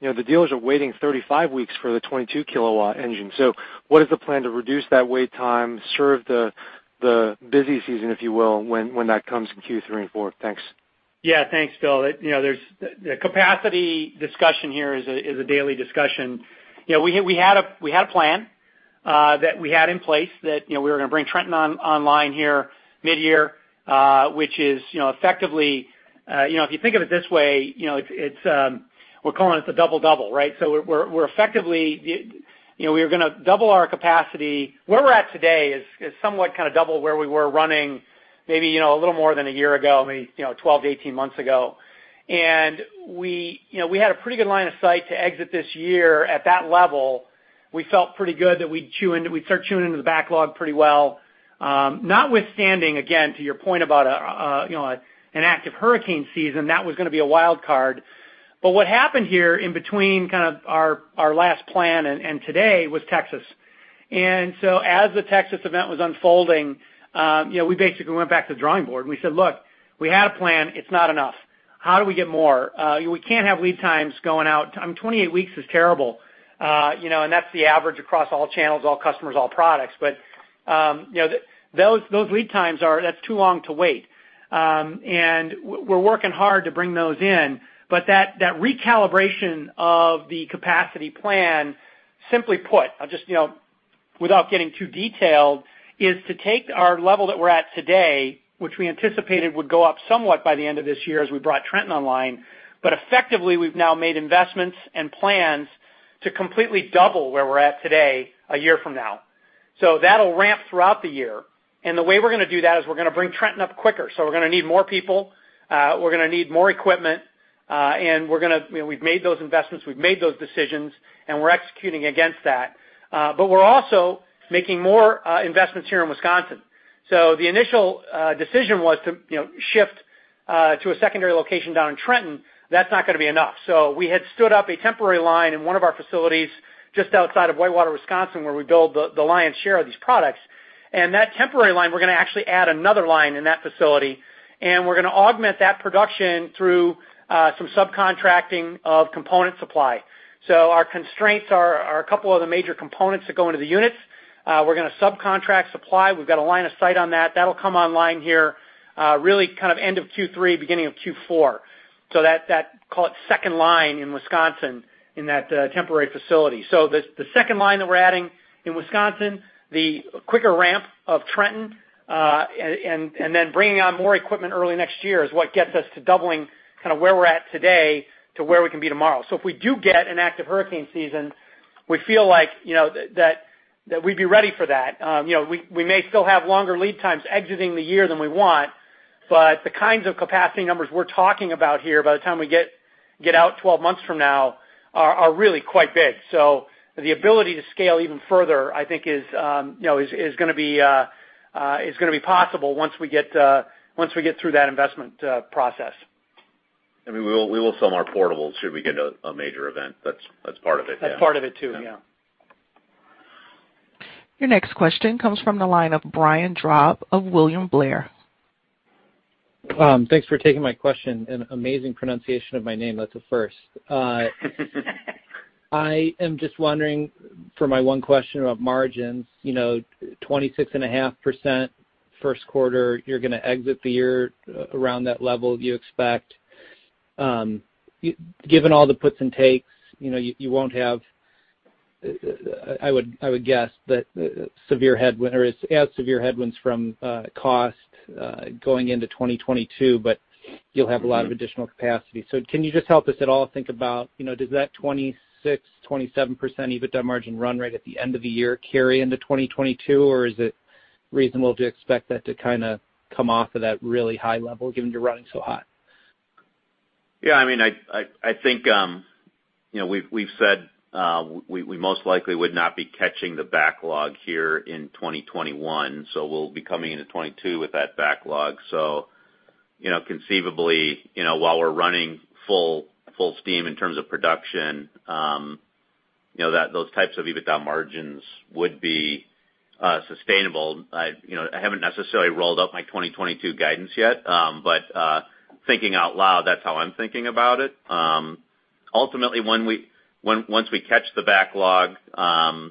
you know, the dealers are waiting 35 weeks for the 22-kW engine. So what is the plan to reduce that wait time, serve the busy season, if you will, when that comes in Q3 and Q4? Thanks. Yeah. Thanks, Phil. You know, there's the capacity discussion here is a daily discussion. You know, we had a plan that we had in place that, you know, we were gonna bring Trenton online here midyear, which is, you know, effectively, you know, if you think of it this way, you know, it's we're calling it the double-double, right? So we're effectively, you know, we're gonna double our capacity. Where we're at today is somewhat kinda double where we were running maybe, you know, a little more than a year ago, I mean, you know, 12-18 months ago. We, you know, we had a pretty good line of sight to exit this year at that level. We felt pretty good that we'd start tuning into the backlog pretty well. Notwithstanding, again, to your point about, you know, an active hurricane season, that was gonna be a wild card. What happened here in between kind of our last plan and today was Texas. As the Texas event was unfolding, you know, we basically went back to the drawing board and we said, "Look, we had a plan. It's not enough. How do we get more?" We can't have lead times going out. 28 weeks is terrible. You know, and that's the average across all channels, all customers, all products. Those lead times are too long to wait. We're working hard to bring those in, but that recalibration of the capacity plan, simply put, I'll just, you know, without getting too detailed, is to take our level that we're at today, which we anticipated would go up somewhat by the end of this year as we brought Trenton online, but effectively, we've now made investments and plans to completely double where we're at today a year from now. That'll ramp throughout the year. The way we're gonna do that is we're gonna bring Trenton up quicker. We're gonna need more people, we're gonna need more equipment, and you know, we've made those investments, we've made those decisions, and we're executing against that. We're also making more investments here in Wisconsin. The initial decision was to, you know, shift to a secondary location down in Trenton. That's not gonna be enough. We had stood up a temporary line in one of our facilities just outside of Whitewater, Wisconsin, where we build the lion's share of these products. That temporary line, we're gonna actually add another line in that facility, and we're gonna augment that production through some subcontracting of component supply. Our constraints are a couple other major components that go into the units. We're gonna subcontract supply. We've got a line of sight on that. That'll come online here, really kind of end of Q3, beginning of Q4. That, call it second line in Wisconsin in that temporary facility. The second line that we're adding in Wisconsin, the quicker ramp of Trenton, and then bringing on more equipment early next year is what gets us to doubling kind of where we're at today to where we can be tomorrow. If we do get an active hurricane season, we feel like, you know, that we'd be ready for that. You know, we may still have longer lead times exiting the year than we want, but the kinds of capacity numbers we're talking about here by the time we get out 12 months from now are really quite big. The ability to scale even further I think is, you know, gonna be possible once we get through that investment process. I mean, we will sell more portables should we get a major event. That's part of it, yeah. That's part of it too. Yeah. Yeah. Your next question comes from the line of Brian Drab of William Blair. Thanks for taking my question, and amazing pronunciation of my name. That's a first. I am just wondering for my one question about margins, you know, 26.5% first quarter, you're gonna exit the year around that level, do you expect? Given all the puts and takes, you know, you won't have, I would guess that severe headwind or as severe headwinds from cost going into 2022, but you'll have a lot of additional capacity. So can you just help us at all think about, you know, does that 26%-27% EBITDA margin run right at the end of the year carry into 2022, or is it reasonable to expect that to kinda come off of that really high level given you're running so hot? I mean, I think, you know, we've said we most likely would not be catching the backlog here in 2021, so we'll be coming into 2022 with that backlog. You know, conceivably, you know, while we're running full steam in terms of production, you know, those types of EBITDA margins would be sustainable. You know, I haven't necessarily rolled out my 2022 guidance yet, but thinking out loud, that's how I'm thinking about it. Ultimately, once we catch the backlog, I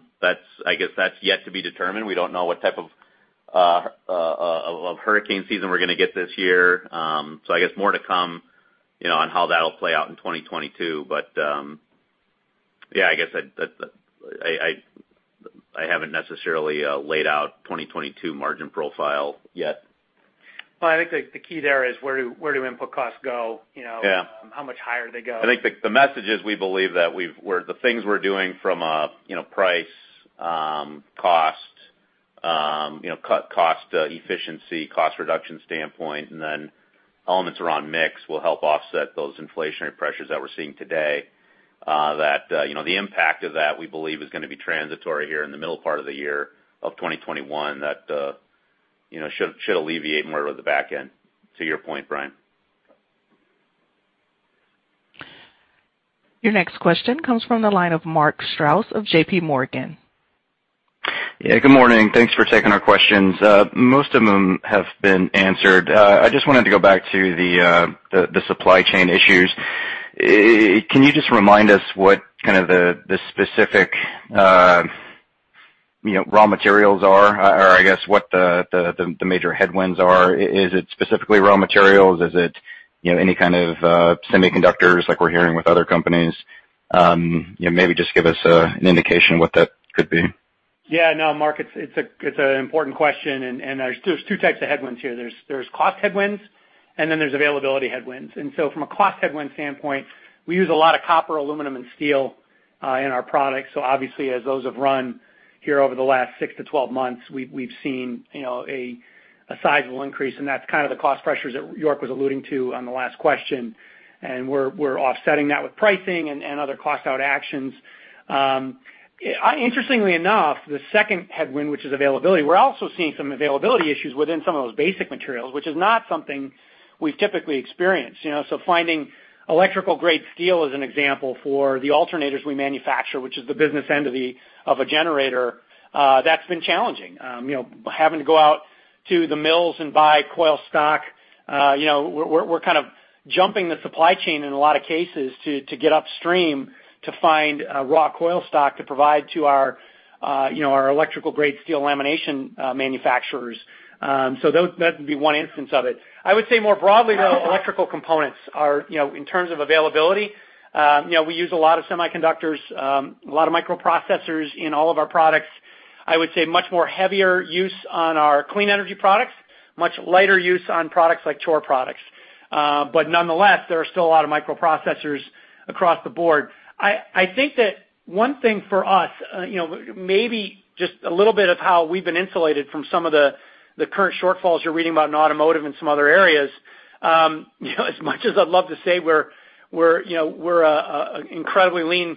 guess that's yet to be determined. We don't know what type of hurricane season we're gonna get this year. I guess more to come, you know, on how that'll play out in 2022. Yeah, I guess I haven't necessarily laid out 2022 margin profile yet. Well, I think the key there is where do input costs go, you know? Yeah. How much higher they go. I think the message is we believe that where the things we're doing from a, you know, price, cost, you know, cut cost efficiency, cost reduction standpoint, and then elements around mix will help offset those inflationary pressures that we're seeing today. That, you know, the impact of that, we believe, is gonna be transitory here in the middle part of the year of 2021, that you know should alleviate more at the back end. To your point, Brian. Your next question comes from the line of Mark Strouse of JPMorgan. Yeah, good morning. Thanks for taking our questions. Most of them have been answered. I just wanted to go back to the supply chain issues. Can you just remind us what kind of the specific you know raw materials are, or I guess what the major headwinds are? Is it specifically raw materials? Is it you know any kind of semiconductors like we're hearing with other companies? You know, maybe just give us an indication of what that could be. Yeah. No, Mark. It's an important question, and there's two types of headwinds here. There's cost headwinds, and then there's availability headwinds. From a cost headwind standpoint, we use a lot of copper, aluminum, and steel in our products. So obviously as those have run here over the last 6 to 12 months, we've seen, you know, a sizable increase, and that's kind of the cost pressures that York was alluding to on the last question. We're offsetting that with pricing and other cost out actions. Interestingly enough, the second headwind, which is availability, we're also seeing some availability issues within some of those basic materials, which is not something we've typically experienced. You know, finding electrical-grade steel as an example for the alternators we manufacture, which is the business end of a generator, that's been challenging. You know, having to go out to the mills and buy coil stock, you know, we're kind of jumping the supply chain in a lot of cases to get upstream to find raw coil stock to provide to our you know, our electrical-grade steel lamination manufacturers. That would be one instance of it. I would say more broadly, though, electrical components are, you know, in terms of availability, you know, we use a lot of semiconductors, a lot of microprocessors in all of our products. I would say much more heavier use on our clean energy products, much lighter use on products like Chore products. Nonetheless, there are still a lot of microprocessors across the board. I think that one thing for us, you know, maybe just a little bit of how we've been insulated from some of the current shortfalls you're reading about in automotive and some other areas, you know, as much as I'd love to say we're, you know, we're an incredibly lean,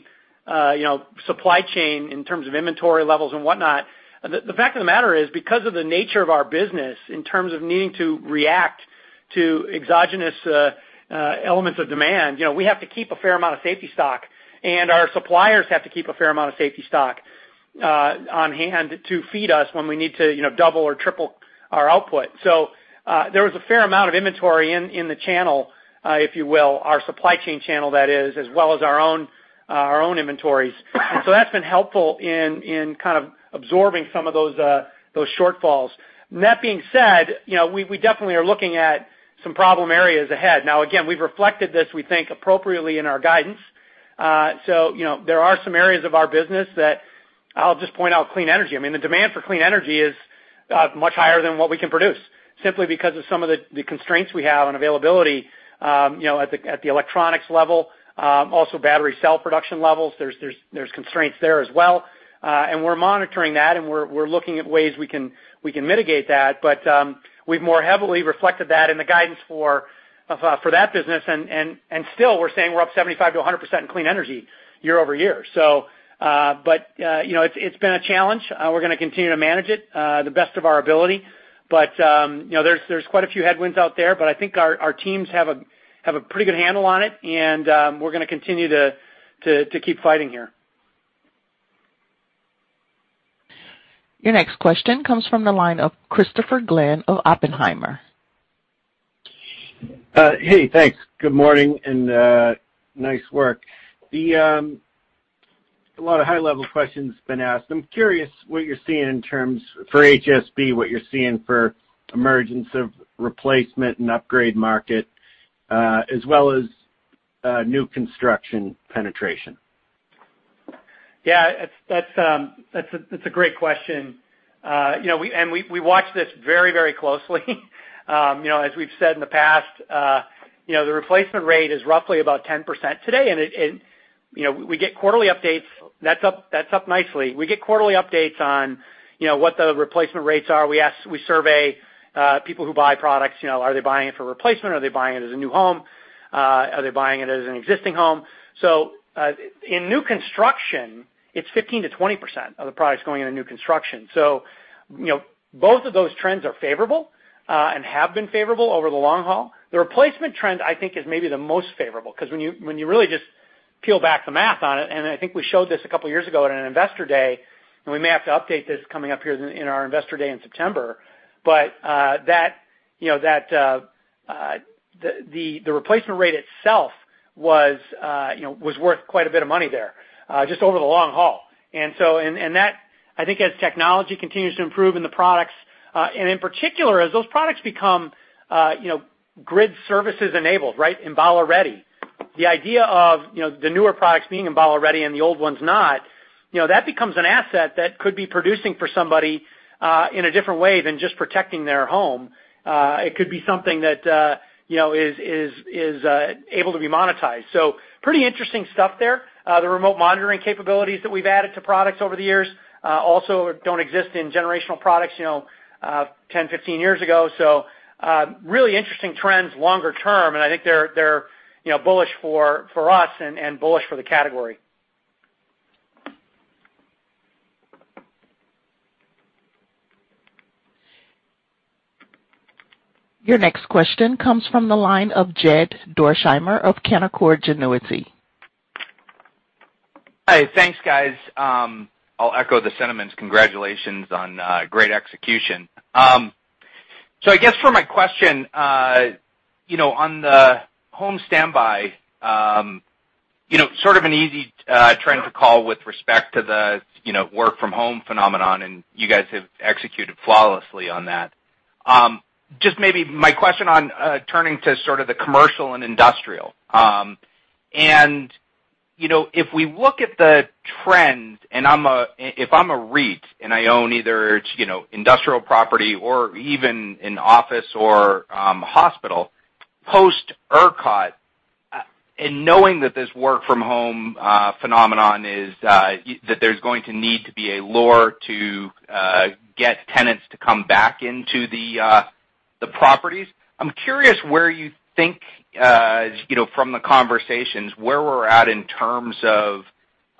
you know, supply chain in terms of inventory levels and whatnot, the fact of the matter is, because of the nature of our business in terms of needing to react to exogenous elements of demand, you know, we have to keep a fair amount of safety stock, and our suppliers have to keep a fair amount of safety stock on hand to feed us when we need to, you know, double or triple our output. There was a fair amount of inventory in the channel, if you will, our supply chain channel, as well as our own inventories. That being said, you know, we definitely are looking at some problem areas ahead. Now, again, we've reflected this, we think, appropriately in our guidance. You know, there are some areas of our business that I'll just point out, clean energy. I mean, the demand for clean energy is much higher than what we can produce simply because of some of the constraints we have on availability, you know, at the electronics level, also battery cell production levels. There's constraints there as well. We're monitoring that, and we're looking at ways we can mitigate that. We've more heavily reflected that in the guidance for that business. Still, we're saying we're up 75%-100% in clean energy year-over-year. You know, it's been a challenge. We're gonna continue to manage it to the best of our ability. You know, there's quite a few headwinds out there, but I think our teams have a pretty good handle on it, and we're gonna continue to keep fighting here. Your next question comes from the line of Christopher Glynn of Oppenheimer. Hey, thanks. Good morning and nice work. A lot of high-level questions been asked. I'm curious what you're seeing in terms of HSB, what you're seeing for emergence of replacement and upgrade market, as well as new construction penetration. Yeah, that's a great question. You know, we watch this very closely. You know, as we've said in the past, you know, the replacement rate is roughly about 10% today. You know, we get quarterly updates. That's up nicely. We get quarterly updates on, you know, what the replacement rates are. We ask, we survey people who buy products, you know, are they buying it for replacement? Are they buying it as a new home? Are they buying it as an existing home? In new construction, it's 15%-20% of the products going into new construction. You know, both of those trends are favorable and have been favorable over the long haul. The replacement trend, I think, is maybe the most favorable 'cause when you really just peel back the math on it, and I think we showed this a couple of years ago at an Investor Day, and we may have to update this coming up here in our Investor Day in September. That, you know, the replacement rate itself was worth quite a bit of money there just over the long haul. That, I think as technology continues to improve in the products, and in particular, as those products become, you know, grid services enabled, right, Enbala-ready. The idea of, you know, the newer products being Enbala-ready and the old ones not, you know, that becomes an asset that could be producing for somebody, in a different way than just protecting their home. It could be something that, you know, is able to be monetized. Pretty interesting stuff there. The remote monitoring capabilities that we've added to products over the years also don't exist in generational products, you know, 10, 15 years ago. Really interesting trends longer term, and I think they're, you know, bullish for us and bullish for the category. Your next question comes from the line of Jed Dorsheimer of Canaccord Genuity. Hey, thanks, guys. I'll echo the sentiments. Congratulations on great execution. So I guess for my question, you know, on the home standby, you know, sort of an easy trend to call with respect to the, you know, work from home phenomenon, and you guys have executed flawlessly on that. Just maybe my question on turning to sort of the commercial and industrial. You know, if we look at the trend, and if I'm a REIT and I own either, you know, industrial property or even an office or hospital, post ERCOT, and knowing that this work from home phenomenon is that there's going to need to be a lure to get tenants to come back into the properties. I'm curious where you think, you know, from the conversations, where we're at in terms of,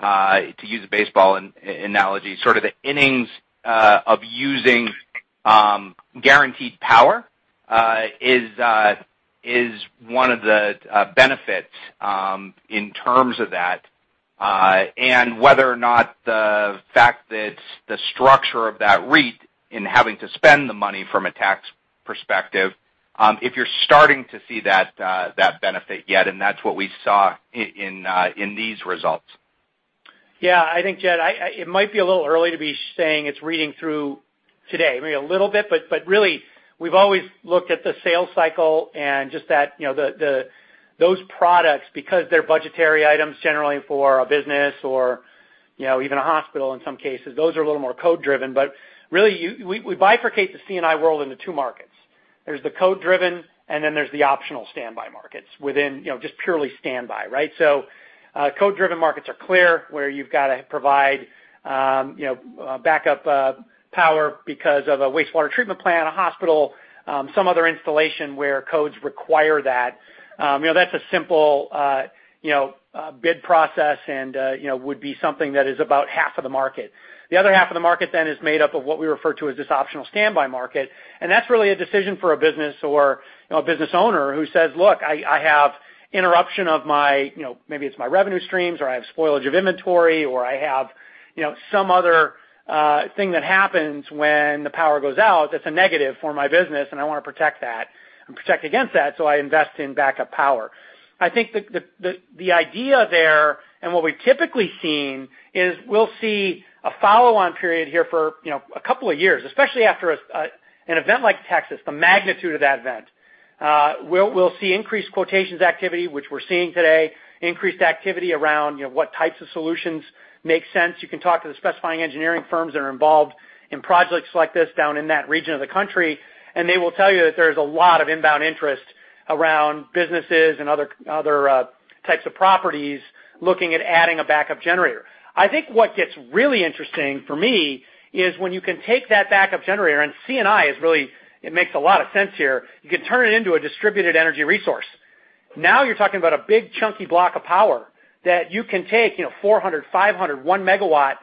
to use a baseball analogy, sort of the innings of using Generac power is one of the benefits in terms of that, and whether or not the fact that the structure of that REIT in having to spend the money from a tax perspective, if you're starting to see that benefit yet, and that's what we saw in these results. Yeah, I think, Jed, it might be a little early to be saying it's reading through today. Maybe a little bit, but really we've always looked at the sales cycle and just that, you know, those products, because they're budgetary items generally for a business or you know, even a hospital in some cases, those are a little more code-driven, but really we bifurcate the C&I world into two markets. There's the code-driven, and then there's the optional standby markets within, you know, just purely standby, right? So, code-driven markets are clear where you've gotta provide, you know, backup power because of a wastewater treatment plant, a hospital, some other installation where codes require that. You know, that's a simple, you know, bid process and, you know, would be something that is about half of the market. The other half of the market then is made up of what we refer to as this optional standby market. That's really a decision for a business or, you know, a business owner who says, "Look, I have interruption of my, you know, maybe it's my revenue streams, or I have spoilage of inventory, or I have, you know, some other thing that happens when the power goes out that's a negative for my business, and I wanna protect that and protect against that, so I invest in backup power." I think the idea there and what we've typically seen is we'll see a follow-on period here for, you know, a couple of years, especially after an event like Texas, the magnitude of that event. We'll see increased quotations activity, which we're seeing today, increased activity around, you know, what types of solutions make sense. You can talk to the specifying engineering firms that are involved in projects like this down in that region of the country, and they will tell you that there's a lot of inbound interest around businesses and other types of properties looking at adding a backup generator. I think what gets really interesting for me is when you can take that backup generator, and C&I is really, it makes a lot of sense here, you can turn it into a distributed energy resource. Now you're talking about a big chunky block of power that you can take, you know, 400, 500, 1 MW,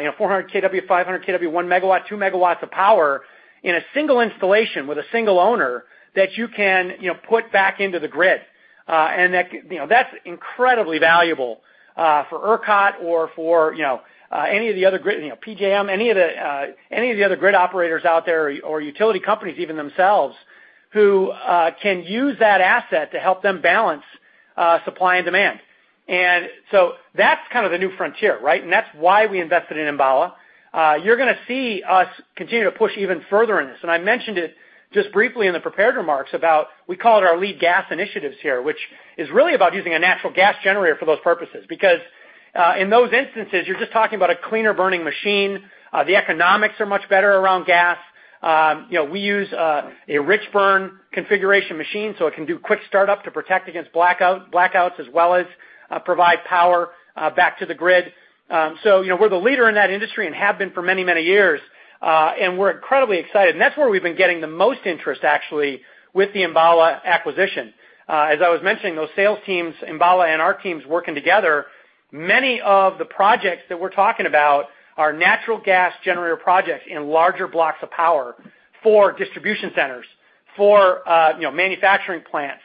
you know, 400 kW, 500 kW, 1 MW, 2 MW of power in a single installation with a single owner that you can, you know, put back into the grid. That you know, that's incredibly valuable for ERCOT or for, you know, any of the other grid, you know, PJM, any of the other grid operators out there or utility companies even themselves, who can use that asset to help them balance supply and demand. That's kind of the new frontier, right? That's why we invested in Enbala. You're gonna see us continue to push even further in this. I mentioned it just briefly in the prepared remarks about we call it our clean gas initiatives here, which is really about using a natural gas generator for those purposes. Because in those instances, you're just talking about a cleaner burning machine. The economics are much better around gas. You know, we use a rich-burn configuration machine, so it can do quick startup to protect against blackouts as well as provide power back to the grid. You know, we're the leader in that industry and have been for many, many years. We're incredibly excited. That's where we've been getting the most interest actually with the Enbala acquisition. As I was mentioning, those sales teams, Enbala and our teams working together, many of the projects that we're talking about are natural gas generator projects in larger blocks of power for distribution centers, for you know, manufacturing plants,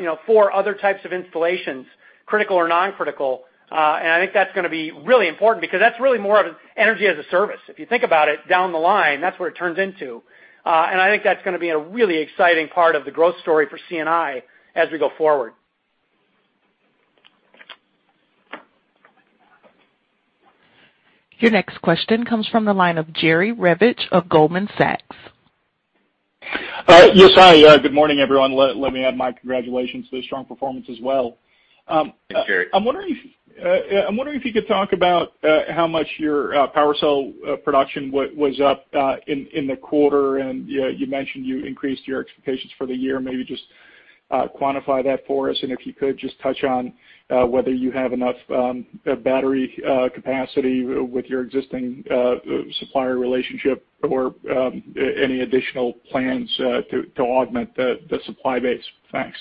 you know, for other types of installations, critical or non-critical. I think that's gonna be really important because that's really more of energy as a service. If you think about it down the line, that's where it turns into. I think that's gonna be a really exciting part of the growth story for C&I as we go forward. Your next question comes from the line of Jerry Revich of Goldman Sachs. Yes, hi. Good morning, everyone. Let me add my congratulations to the strong performance as well. Thanks, Jerry. I'm wondering if you could talk about how much your PWRcell production was up in the quarter. You mentioned you increased your expectations for the year. Maybe just quantify that for us. If you could just touch on whether you have enough battery capacity with your existing supplier relationship or any additional plans to augment the supply base. Thanks.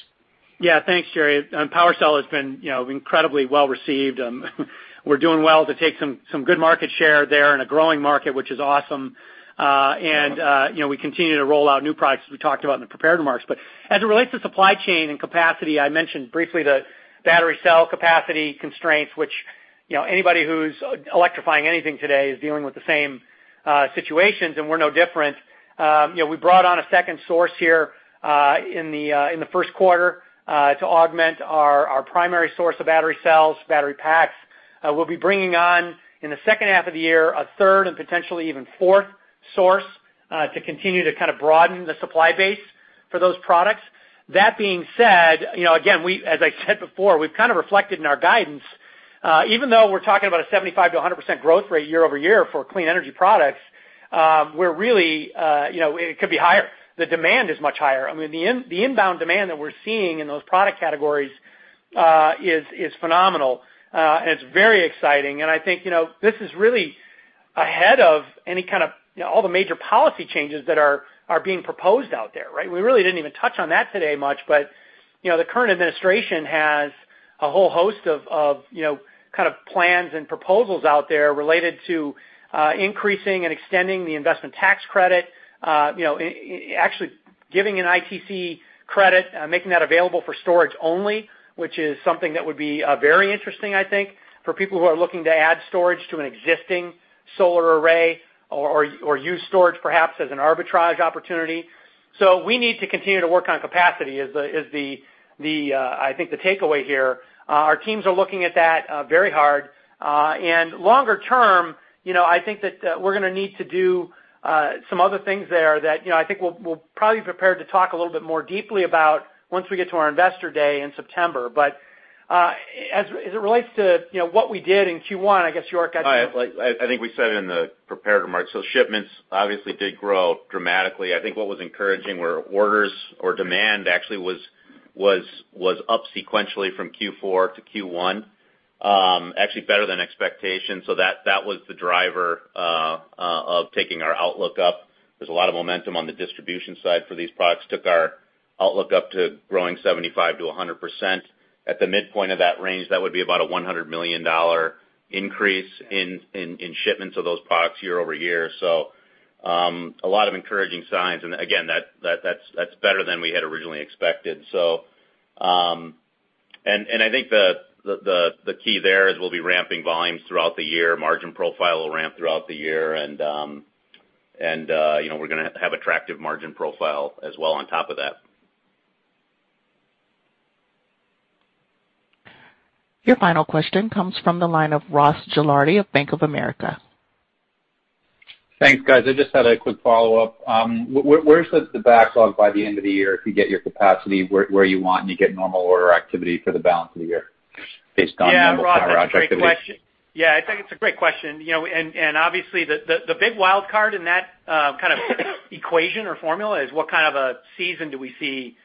Yeah. Thanks, Jerry. PWRcell has been, you know, incredibly well received. We're doing well to take some good market share there in a growing market, which is awesome. You know, we continue to roll out new products as we talked about in the prepared remarks. As it relates to supply chain and capacity, I mentioned briefly the battery cell capacity constraints, which, you know, anybody who's electrifying anything today is dealing with the same situations, and we're no different. You know, we brought on a second source here in the first quarter to augment our primary source of battery cells, battery packs. We'll be bringing on, in the second half of the year, a third and potentially even fourth source to continue to kind of broaden the supply base for those products. That being said, you know, again, we as I said before, we've kind of reflected in our guidance, even though we're talking about a 75%-100% growth rate year-over-year for clean energy products, we're really, you know, it could be higher. The demand is much higher. I mean, the inbound demand that we're seeing in those product categories is phenomenal, and it's very exciting. I think, you know, this is really ahead of any kind of, you know, all the major policy changes that are being proposed out there, right? We really didn't even touch on that today much, but, you know, the current administration has a whole host of, you know, kind of plans and proposals out there related to increasing and extending the investment tax credit. You know, actually giving an ITC credit, making that available for storage only, which is something that would be very interesting, I think, for people who are looking to add storage to an existing solar array or use storage perhaps as an arbitrage opportunity. So we need to continue to work on capacity. I think the takeaway here. Our teams are looking at that very hard. Longer term, you know, I think that we're gonna need to do some other things there that, you know, I think we'll probably be prepared to talk a little bit more deeply about once we get to our Investor Day in September. As it relates to, you know, what we did in Q1, I guess York got- I think we said in the prepared remarks. Shipments obviously did grow dramatically. I think what was encouraging were orders or demand actually was up sequentially from Q4 to Q1, actually better than expectations. That was the driver of taking our outlook up. There's a lot of momentum on the distribution side for these products. Took our outlook up to growing 75%-100%. At the midpoint of that range, that would be about a $100 million increase in shipments of those products year-over-year. A lot of encouraging signs. Again, that's better than we had originally expected. I think the key there is we'll be ramping volumes throughout the year, margin profile will ramp throughout the year, and you know, we're gonna have attractive margin profile as well on top of that. Your final question comes from the line of Ross Gilardi of Bank of America. Thanks, guys. I just had a quick follow-up. Where's the backlog by the end of the year if you get your capacity where you want and you get normal order activity for the balance of the year based on normal power outage activity? Yeah, Ross, that's a great question. Yeah, I think it's a great question. You know, and obviously the big wild card in that kind of equation or formula is what kind of a season do we see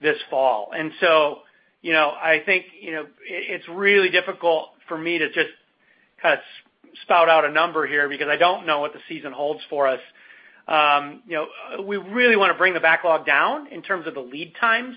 this fall. You know, I think you know it's really difficult for me to just kind of spout out a number here because I don't know what the season holds for us. You know, we really wanna bring the backlog down in terms of the lead times.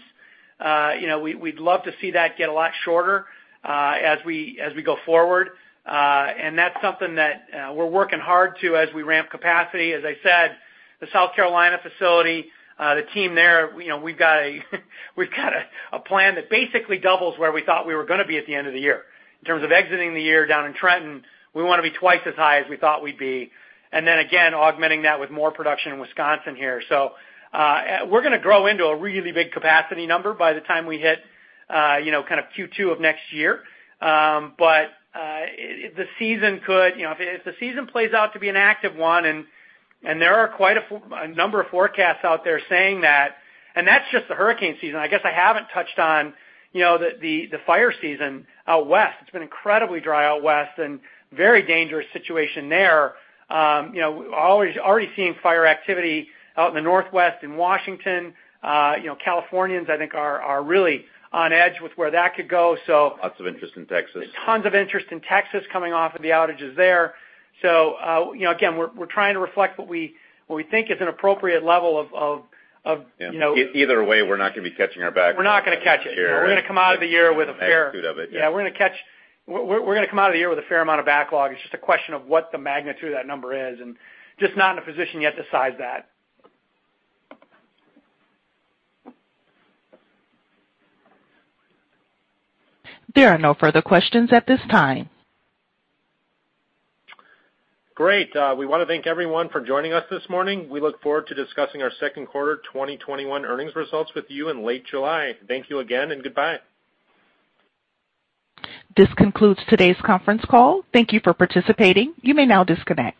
You know, we'd love to see that get a lot shorter as we go forward. That's something that we're working hard to as we ramp capacity. As I said, the South Carolina facility, the team there, you know, we've got a plan that basically doubles where we thought we were gonna be at the end of the year. In terms of exiting the year down in Trenton, we wanna be twice as high as we thought we'd be, and then again, augmenting that with more production in Wisconsin here. We're gonna grow into a really big capacity number by the time we hit, you know, kind of Q2 of next year. You know, if the season plays out to be an active one, and there are quite a number of forecasts out there saying that. That's just the hurricane season. I guess I haven't touched on, you know, the fire season out west. It's been incredibly dry out west and very dangerous situation there. You know, already seeing fire activity out in the northwest in Washington. You know, Californians, I think, are really on edge with where that could go so. Lots of interest in Texas. Tons of interest in Texas coming off of the outages there. You know, again, we're trying to reflect what we think is an appropriate level of you know. Yeah. Either way, we're not gonna be catching our back. We're not gonna catch it. We're gonna come out of the year with a fair- The magnitude of it. Yeah, we're gonna come out of the year with a fair amount of backlog. It's just a question of what the magnitude of that number is, and just not in a position yet to size that. There are no further questions at this time. Great. We wanna thank everyone for joining us this morning. We look forward to discussing our second quarter 2021 earnings results with you in late July. Thank you again and goodbye. This concludes today's conference call. Thank you for participating. You may now disconnect.